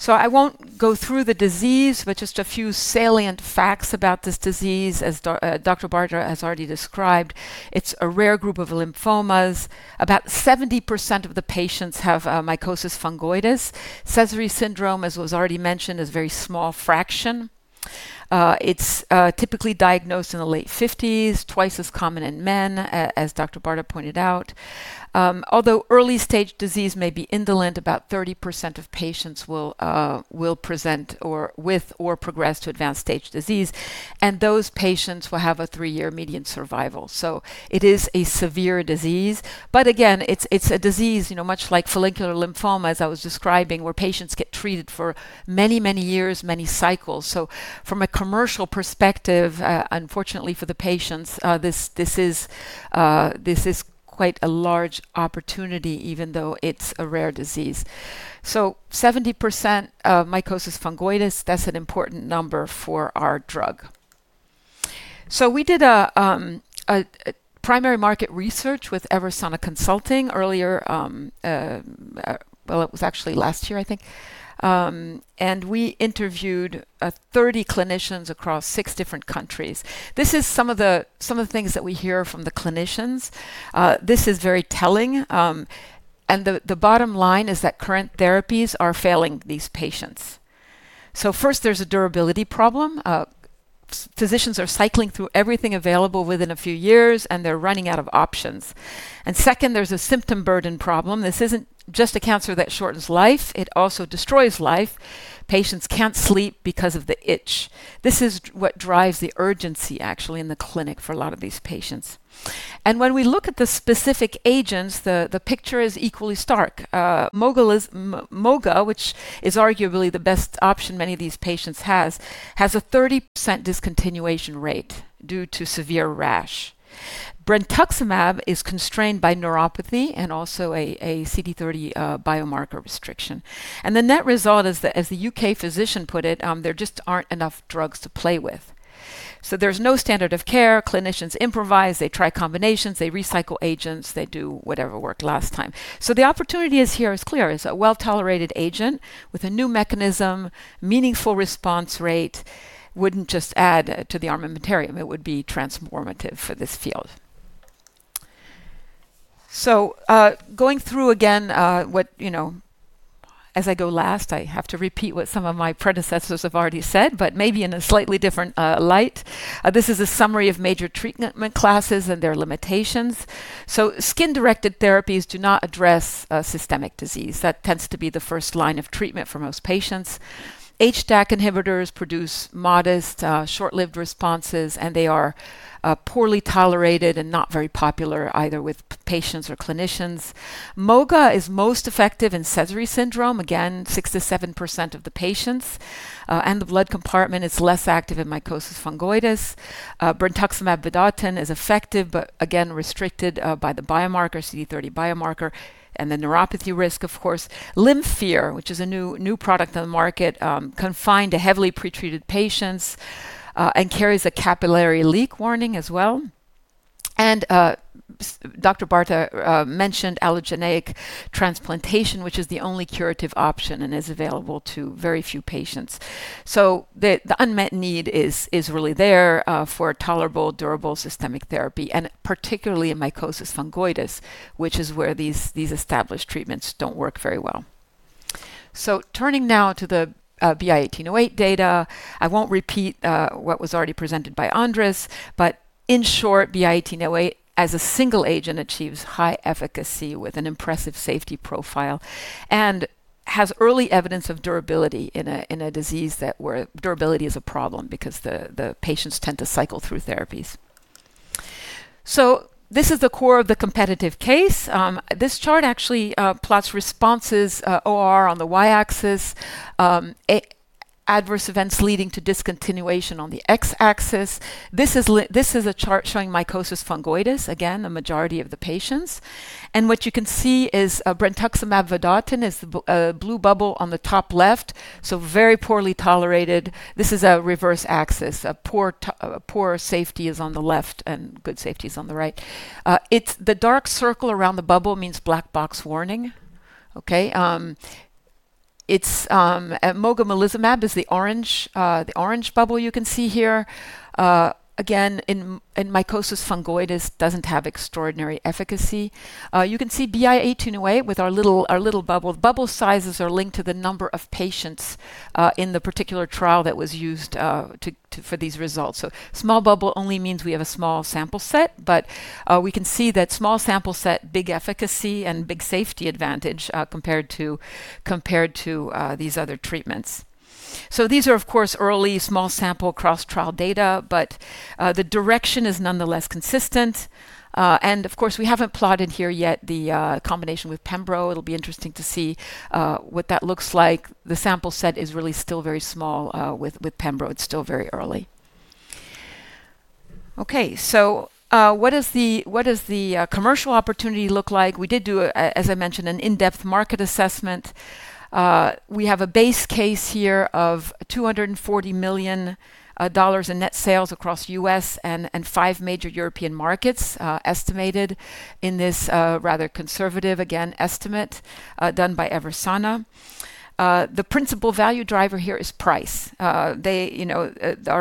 I won't go through the disease, but just a few salient facts about this disease as Dr. Barta has already described. It's a rare group of lymphomas. About 70% of the patients have mycosis fungoides. Sézary syndrome, as was already mentioned, is a very small fraction. It's typically diagnosed in the late 50s, twice as common in men, as Dr. Barta pointed out. Although early-stage disease may be indolent, about 30% of patients will present with or progress to advanced-stage disease, and those patients will have a three-year median survival. It is a severe disease. Again, it's a disease much like follicular lymphoma as I was describing, where patients get treated for many years, many cycles. From a commercial perspective, unfortunately for the patients, this is quite a large opportunity even though it's a rare disease. 70% mycosis fungoides, that's an important number for our drug. We did primary market research with Eversana Consulting earlier. Well, it was actually last year, I think. We interviewed 30 clinicians across six different countries. This is some of the things that we hear from the clinicians. This is very telling, and the bottom line is that current therapies are failing these patients. First, there's a durability problem. Physicians are cycling through everything available within a few years, and they're running out of options. Second, there's a symptom burden problem. This isn't just a cancer that shortens life, it also destroys life. Patients can't sleep because of the itch. This is what drives the urgency, actually, in the clinic for a lot of these patients. When we look at the specific agents, the picture is equally stark. Moga, which is arguably the best option many of these patients has a 30% discontinuation rate due to severe rash. Brentuximab is constrained by neuropathy and also a CD30 biomarker restriction. The net result is, as the U.K. physician put it, there just aren't enough drugs to play with. There's no standard of care. Clinicians improvise, they try combinations, they recycle agents, they do whatever worked last time. The opportunity here is clear. It's a well-tolerated agent with a new mechanism, meaningful response rate. Wouldn't just add to the armamentarium, it would be transformative for this field. Going through again, as I go last, I have to repeat what some of my predecessors have already said, but maybe in a slightly different light. This is a summary of major treatment classes and their limitations. Skin-directed therapies do not address systemic disease. That tends to be the first line of treatment for most patients. HDAC inhibitors produce modest short-lived responses, and they are poorly tolerated and not very popular either with patients or clinicians. Moga is most effective in Sézary syndrome, again, 6% to 7% of the patients, and the blood compartment is less active in mycosis fungoides. Brentuximab vedotin is effective, but again, restricted by the CD30 biomarker and the neuropathy risk, of course. ZYNLONTA, which is a new product on the market, confined to heavily pretreated patients, and carries a capillary leak warning as well. Dr. Barta mentioned allogeneic transplantation, which is the only curative option and is available to very few patients. The unmet need is really there for a tolerable, durable, systemic therapy, and particularly in mycosis fungoides, which is where these established treatments don't work very well. Turning now to the BI-1808 data. I won't repeat what was already presented by Andres, but in short, BI-1808 as a single agent achieves high efficacy with an impressive safety profile and has early evidence of durability in a disease where durability is a problem because the patients tend to cycle through therapies. This is the core of the competitive case. This chart actually plots responses, OR on the Y-axis, adverse events leading to discontinuation on the X-axis. This is a chart showing mycosis fungoides, again, a majority of the patients. What you can see is brentuximab vedotin is the blue bubble on the top left, so very poorly tolerated. This is a reverse axis. Poor safety is on the left and good safety is on the right. The dark circle around the bubble means black box warning. Okay. Mogamulizumab is the orange bubble you can see here. Again, in mycosis fungoides, doesn't have extraordinary efficacy. You can see BI-1808 with our little bubble. Bubble sizes are linked to the number of patients in the particular trial that was used for these results. Small bubble only means we have a small sample set, but we can see that small sample set, big efficacy, and big safety advantage compared to these other treatments. These are, of course, early small sample cross-trial data, but the direction is nonetheless consistent. Of course, we haven't plotted here yet the combination with pembro. It'll be interesting to see what that looks like. The sample set is really still very small with pembro. It's still very early. Okay. What does the commercial opportunity look like? We did do, as I mentioned, an in-depth market assessment. We have a base case here of SEK 240 million in net sales across U.S. and five major European markets, estimated in this rather conservative, again, estimate done by Eversana. The principal value driver here is price. Our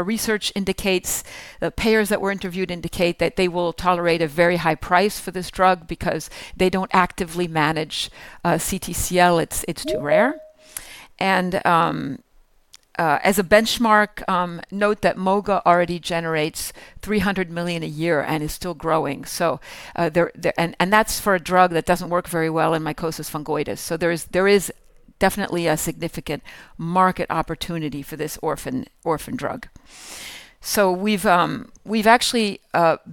research indicates, the payers that were interviewed indicate that they will tolerate a very high price for this drug because they don't actively manage CTCL. It's too rare. As a benchmark, note that moga already generates 300 million a year and is still growing. That's for a drug that doesn't work very well in mycosis fungoides. There is definitely a significant market opportunity for this orphan drug. We've actually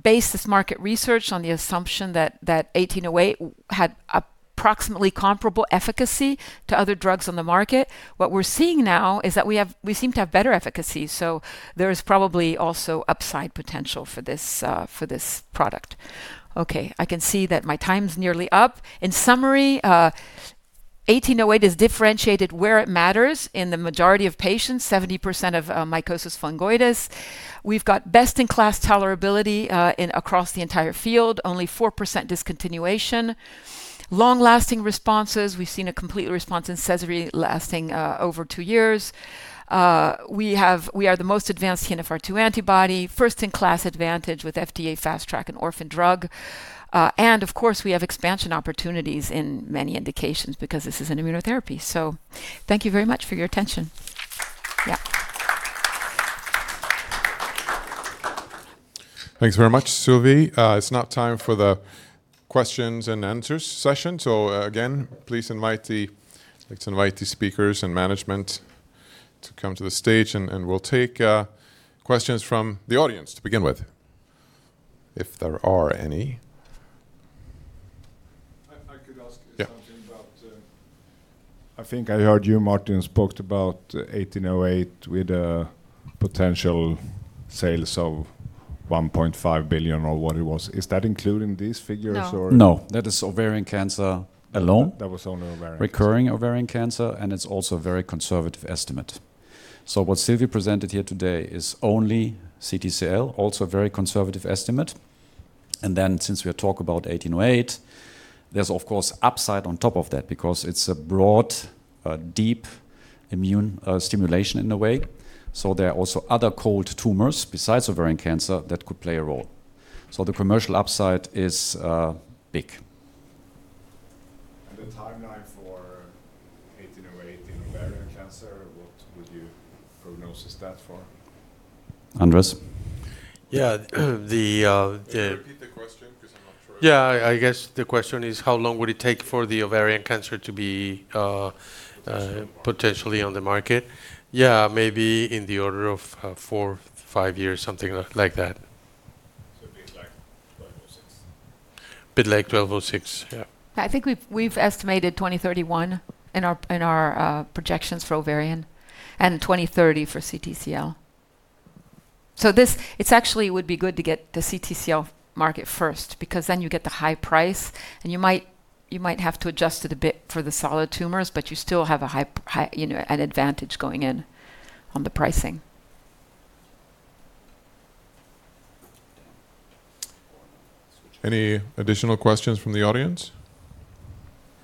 based this market research on the assumption that BI-1808 had approximately comparable efficacy to other drugs on the market. What we're seeing now is that we seem to have better efficacy, so there is probably also upside potential for this product. Okay, I can see that my time's nearly up. In summary, BI-1808 is differentiated where it matters in the majority of patients, 70% of mycosis fungoides. We've got best-in-class tolerability across the entire field. Only 4% discontinuation. Long-lasting responses. We've seen a complete response in Sézary syndrome lasting over two years. We are the most advanced TNFR2 antibody. First-in-class advantage with FDA Fast Track and orphan drug. Of course, we have expansion opportunities in many indications because this is an immunotherapy. Thank you very much for your attention. Yeah. Thanks very much, Sylvie. It's now time for the questions and answers session. Again, please invite the speakers and management to come to the stage and we'll take questions from the audience to begin with, if there are any. I could ask you something about- Yeah. I think I heard you, Martin, spoke about BI-1808 with a potential sales of 1.5 billion or what it was. Is that including these figures? No. No, that is ovarian cancer alone. That was only ovarian cancer. It's also a very conservative estimate. What Sylvie presented here today is only CTCL, also a very conservative estimate. Since we talk about BI-1808, there's, of course, upside on top of that because it's a broad, deep immune stimulation in a way. There are also other cold tumors besides ovarian cancer that could play a role. The commercial upside is big. The timeline for BI-1808 in ovarian cancer, what would you prognosis that for? Andres? Yeah. Yeah, I guess the question is how long would it take for the ovarian cancer to be. Potentially on the market? Yeah, maybe in the order of four, five years, something like that. It'd be like 12 or six. Bit like 12 or six. Yeah. I think we've estimated 2031 in our projections for ovarian and 2030 for CTCL. It actually would be good to get the CTCL market first because then you get the high price and you might have to adjust it a bit for the solid tumors, but you still have an advantage going in on the pricing. Any additional questions from the audience?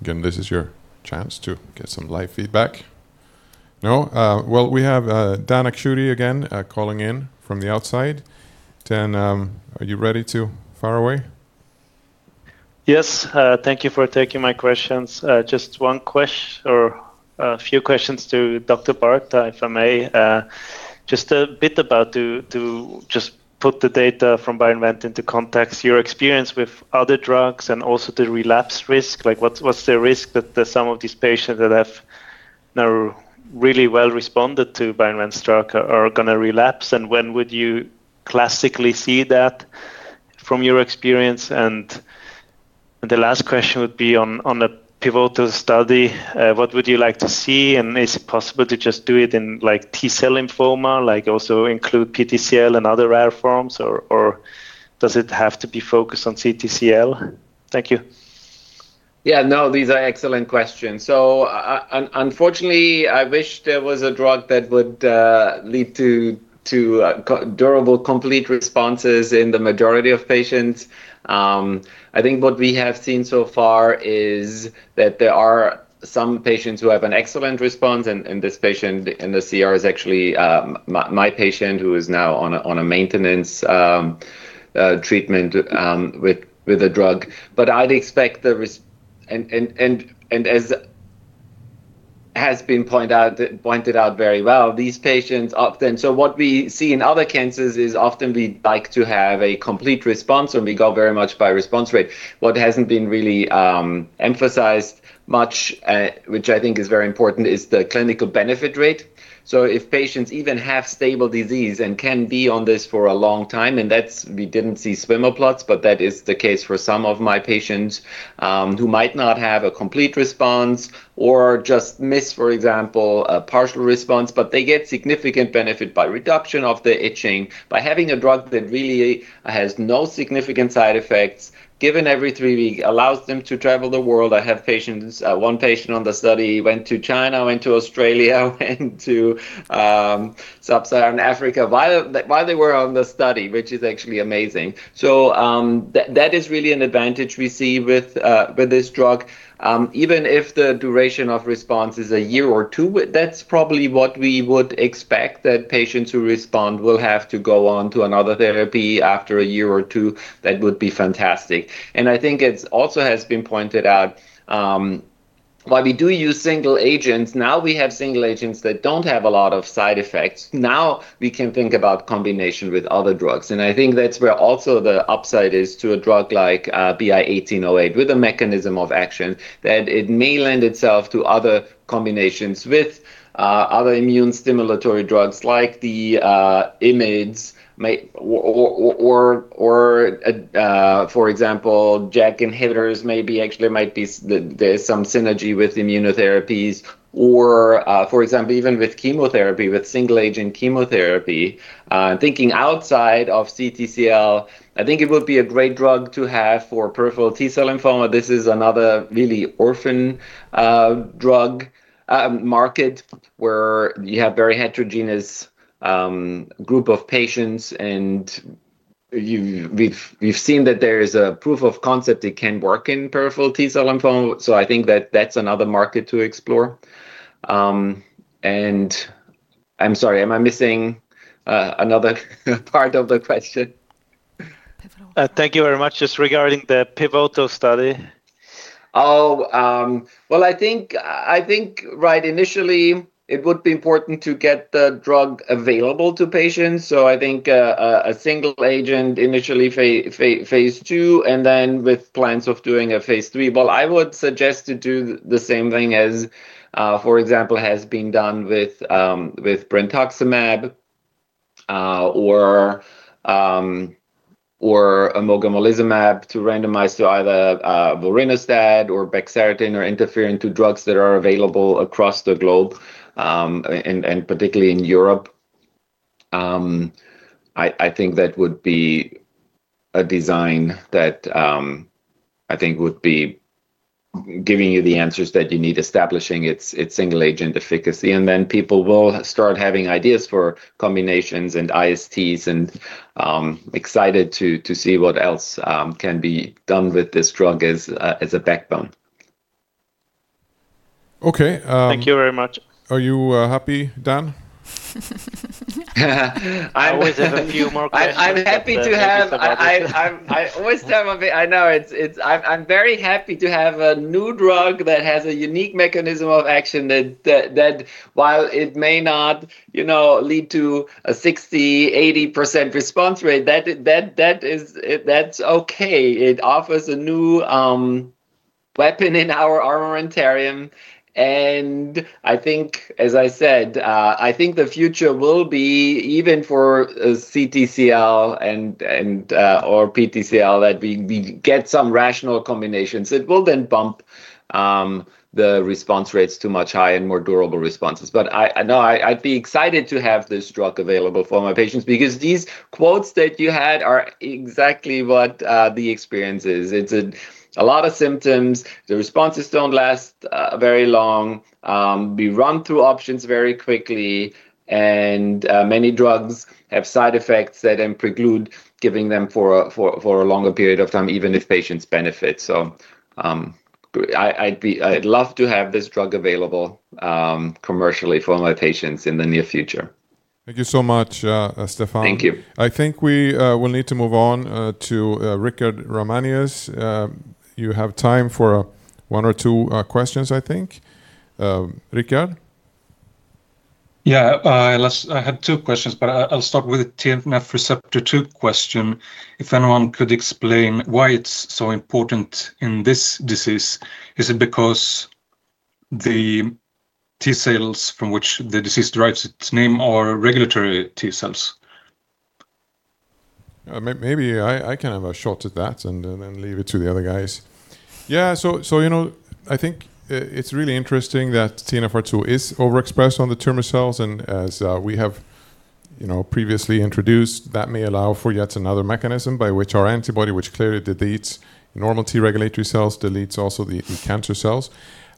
Again, this is your chance to get some live feedback. No? Well, we have Dan Akschuti again, calling in from the outside. Dan, are you ready to fire away? Thank you for taking my questions. Just a few questions to Dr. Barta, if I may. Just a bit about to just put the data from BioInvent into context, your experience with other drugs and also the relapse risk. What's the risk that some of these patients that have now really well responded to BioInvent's drug are going to relapse, and when would you classically see that from your experience? The last question would be on the pivotal study. What would you like to see, and is it possible to just do it in T-cell lymphoma, also include PTCL and other rare forms, or does it have to be focused on CTCL? Thank you. These are excellent questions. Unfortunately, I wish there was a drug that would lead to durable, complete responses in the majority of patients. I think what we have seen so far is that there are some patients who have an excellent response, and this patient in the CR is actually my patient who is now on a maintenance treatment with the drug. As has been pointed out very well, what we see in other cancers is often we like to have a complete response, and we go very much by response rate. What hasn't been really emphasized much, which I think is very important, is the clinical benefit rate. If patients even have stable disease and can be on this for a long time, and we didn't see swim plots, but that is the case for some of my patients, who might not have a complete response or just miss, for example, a partial response, but they get significant benefit by reduction of the itching, by having a drug that really has no significant side effects, given every three weeks, allows them to travel the world. I have one patient on the study, he went to China, went to Australia, went to Sub-Saharan Africa while they were on the study, which is actually amazing. That is really an advantage we see with this drug. Even if the duration of response is a year or two, that's probably what we would expect, that patients who respond will have to go on to another therapy after a year or two. That would be fantastic. I think it also has been pointed out, while we do use single agents, now we have single agents that don't have a lot of side effects. Now we can think about combination with other drugs, and I think that's where also the upside is to a drug like BI-1808, with a mechanism of action that it may lend itself to other combinations with other immune stimulatory drugs like the IMiDs or, for example, JAK inhibitors maybe actually might be there's some synergy with immunotherapies or, for example, even with chemotherapy, with single agent chemotherapy. Thinking outside of CTCL, I think it would be a great drug to have for peripheral T-cell lymphoma. This is another really orphan drug market where you have very heterogeneous group of patients, and we've seen that there is a proof of concept it can work in peripheral T-cell lymphoma. I think that that's another market to explore. I'm sorry, am I missing another part of the question? Thank you very much. Just regarding the pivotal study. I think initially it would be important to get the drug available to patients. I think a single agent initially phase II, and then with plans of doing a phase III. I would suggest to do the same thing as, for example, has been done with brentuximab or mogamulizumab to randomize to either vorinostat or bexarotene or interferon to drugs that are available across the globe, and particularly in Europe. I think that would be a design that I think would be giving you the answers that you need, establishing its single agent efficacy, and then people will start having ideas for combinations and ISTs and excited to see what else can be done with this drug as a backbone. Okay. Thank you very much. Are you happy, Dan? I always have a few more questions, but thank you so much. I'm very happy to have a new drug that has a unique mechanism of action that while it may not lead to a 60%-80% response rate, that's okay. It offers a new weapon in our armamentarium, and I think, as I said, I think the future will be, even for CTCL or PTCL, that we get some rational combinations. It will then bump the response rates to much higher and more durable responses. I'd be excited to have this drug available for my patients because these quotes that you had are exactly what the experience is. It's a lot of symptoms. The responses don't last very long. We run through options very quickly, and many drugs have side effects that then preclude giving them for a longer period of time, even if patients benefit. I'd love to have this drug available commercially for my patients in the near future. Thank you so much, Stefan. Thank you. I think we will need to move on to Richard Ramanius. You have time for one or two questions, I think. Richard? Yeah. I had two questions. I'll start with the TNF Receptor 2 question, if anyone could explain why it's so important in this disease. Is it because the T-cells from which the disease derives its name are regulatory T-cells? Maybe I can have a shot at that and then leave it to the other guys. I think it's really interesting that TNFR2 is overexpressed on the tumor cells, and as we have previously introduced, that may allow for yet another mechanism by which our antibody, which clearly deletes normal T regulatory cells, deletes also the cancer cells.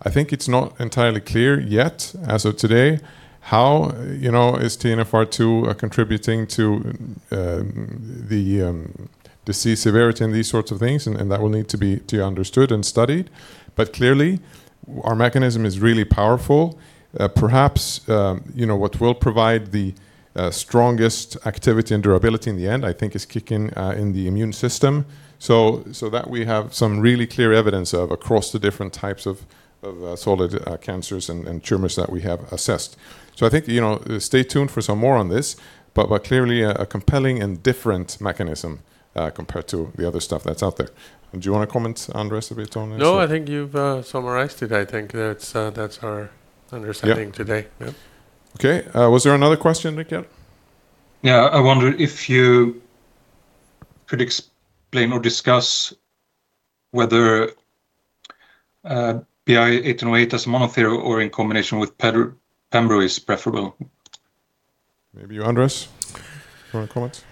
I think it's not entirely clear yet as of today how is TNFR2 contributing to the disease severity and these sorts of things, and that will need to be understood and studied. Clearly, our mechanism is really powerful. Perhaps what will provide the strongest activity and durability in the end, I think, is kicking in the immune system, that we have some really clear evidence of across the different types of solid cancers and tumors that we have assessed. I think stay tuned for some more on this, clearly a compelling and different mechanism compared to the other stuff that's out there. Do you want to comment, Andres, a bit on this? I think you've summarized it. I think that's our understanding today. Was there another question, Richard? I wonder if you could explain or discuss whether BI-1808 as monotherapy or in combination with pembro is preferable. You, Andres, want to comment?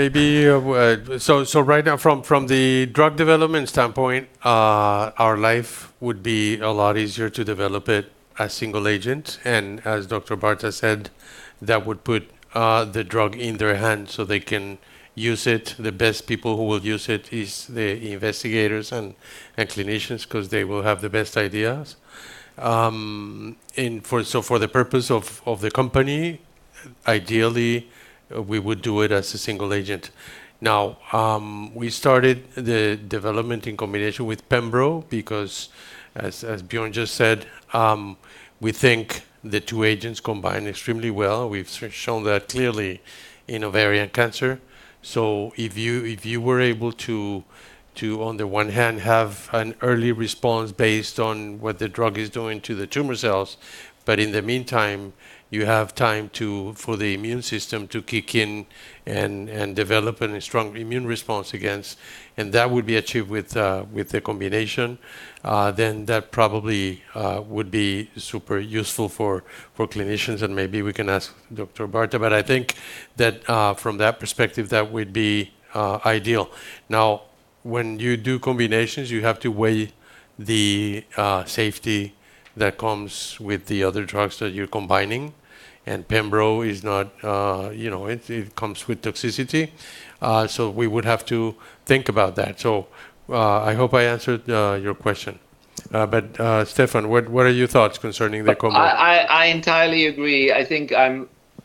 Maybe. Right now, from the drug development standpoint, our life would be a lot easier to develop it as single agent. As Dr. Barta said, that would put the drug in their hand so they can use it. The best people who will use it is the investigators and clinicians because they will have the best ideas. For the purpose of the company, ideally, we would do it as a single agent. We started the development in combination with pembro because as Björn just said, we think the two agents combine extremely well. We've shown that clearly in ovarian cancer. If you were able to, on the one hand, have an early response based on what the drug is doing to the tumor cells, but in the meantime, you have time for the immune system to kick in and develop a strong immune response against, that would be achieved with the combination, that probably would be super useful for clinicians, and maybe we can ask Dr. Barta. I think that from that perspective, that would be ideal. When you do combinations, you have to weigh the safety that comes with the other drugs that you're combining, and pembro comes with toxicity. We would have to think about that. I hope I answered your question. Stefan, what are your thoughts concerning the combo? I entirely agree. I think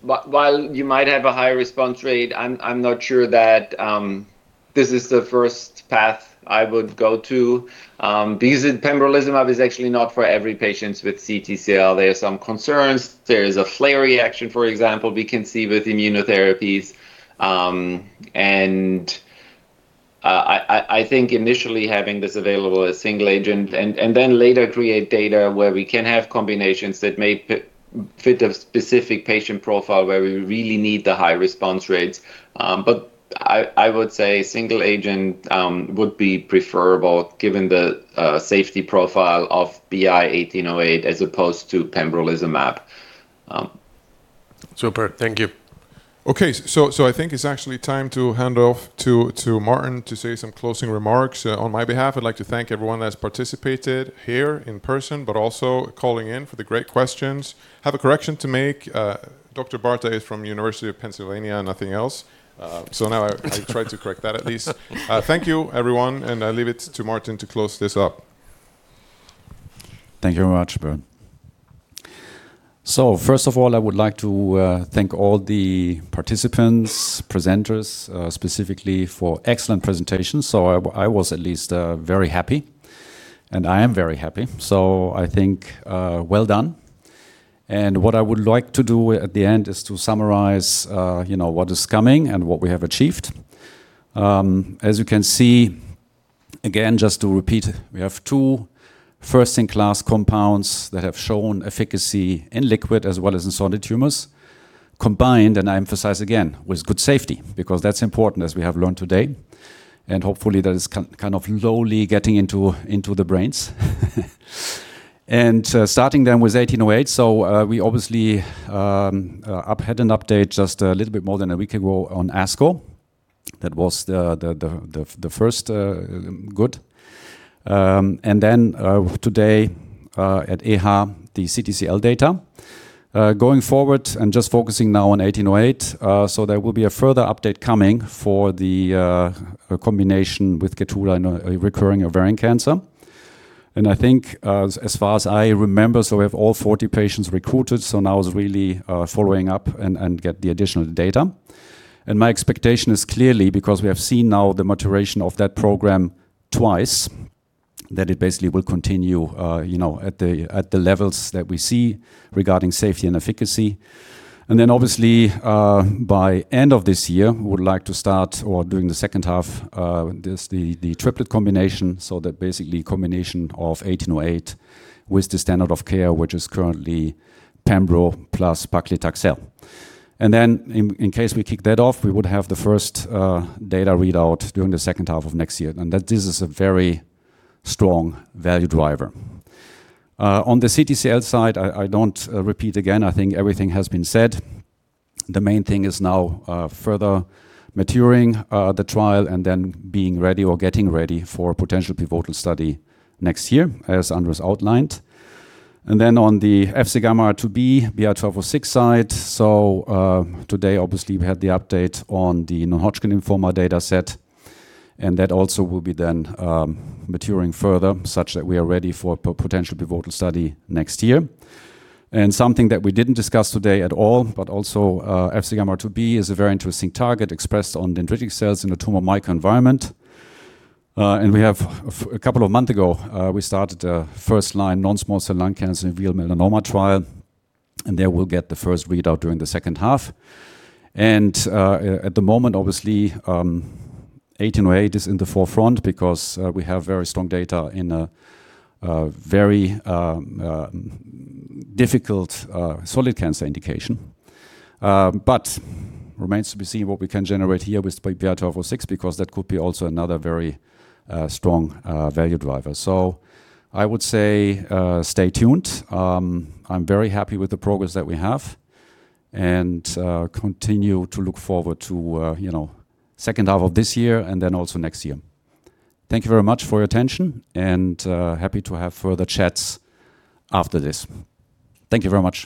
while you might have a higher response rate, I am not sure that this is the first path I would go to. Pembrolizumab is actually not for every patient with CTCL. There are some concerns. There is a flare reaction, for example, we can see with immunotherapies. I think initially having this available as single agent and then later create data where we can have combinations that may fit a specific patient profile where we really need the high response rates. I would say single agent would be preferable given the safety profile of BI-1808 as opposed to pembrolizumab. Super. Thank you. I think it's actually time to hand off to Martin to say some closing remarks. On my behalf, I'd like to thank everyone that's participated here in person, but also calling in for the great questions. I have a correction to make. Dr. Barta is from University of Pennsylvania and nothing else. Now I tried to correct that at least. Thank you, everyone. I leave it to Martin to close this up. Thank you very much, Björn. First of all, I would like to thank all the participants, presenters, specifically, for excellent presentations. I was at least very happy, I am very happy. I think well done. What I would like to do at the end is to summarize what is coming and what we have achieved. As you can see, again, just to repeat, we have two first-in-class compounds that have shown efficacy in liquid as well as in solid tumors combined. I emphasize again, with good safety, because that's important as we have learned today, hopefully that is kind of lowly getting into the brains. Starting then with BI-1808, we obviously had an update just a little bit more than a week ago on ASCO. That was the first good. Then today, at EHA, the CTCL data. Just focusing now on BI-1808, there will be a further update coming for the combination with KEYTRUDA in recurring ovarian cancer. I think, as far as I remember, we have all 40 patients recruited. Now it's really following up and get the additional data. My expectation is clearly because we have seen now the maturation of that program twice, that it basically will continue at the levels that we see regarding safety and efficacy. Obviously, by end of this year, we would like to start or during the second half, the triplet combination, that basically combination of BI-1808 with the standard of care, which is currently Pembro plus paclitaxel. In case we kick that off, we would have the first data readout during the second half of next year. That this is a very strong value driver. On the CTCL side, I do not repeat again. I think everything has been said. The main thing is now further maturing the trial and being ready or getting ready for potential pivotal study next year as Andres outlined. On the FCγRIIb BI-1206 side, today obviously we had the update on the non-Hodgkin lymphoma data set. That also will be then maturing further such that we are ready for potential pivotal study next year. Something that we did not discuss today at all, but also FCγRIIb is a very interesting target expressed on dendritic cells in the tumor microenvironment. A couple of month ago, we started a first-line non-small cell lung cancer and uveal melanoma trial. There we'll get the first readout during the second half. At the moment obviously, BI-1808 is in the forefront because we have very strong data in a very difficult solid cancer indication. Remains to be seen what we can generate here with BI-1206 because that could be also another very strong value driver. I would say stay tuned. I am very happy with the progress that we have and continue to look forward to second half of this year and also next year. Thank you very much for your attention and happy to have further chats after this. Thank you very much.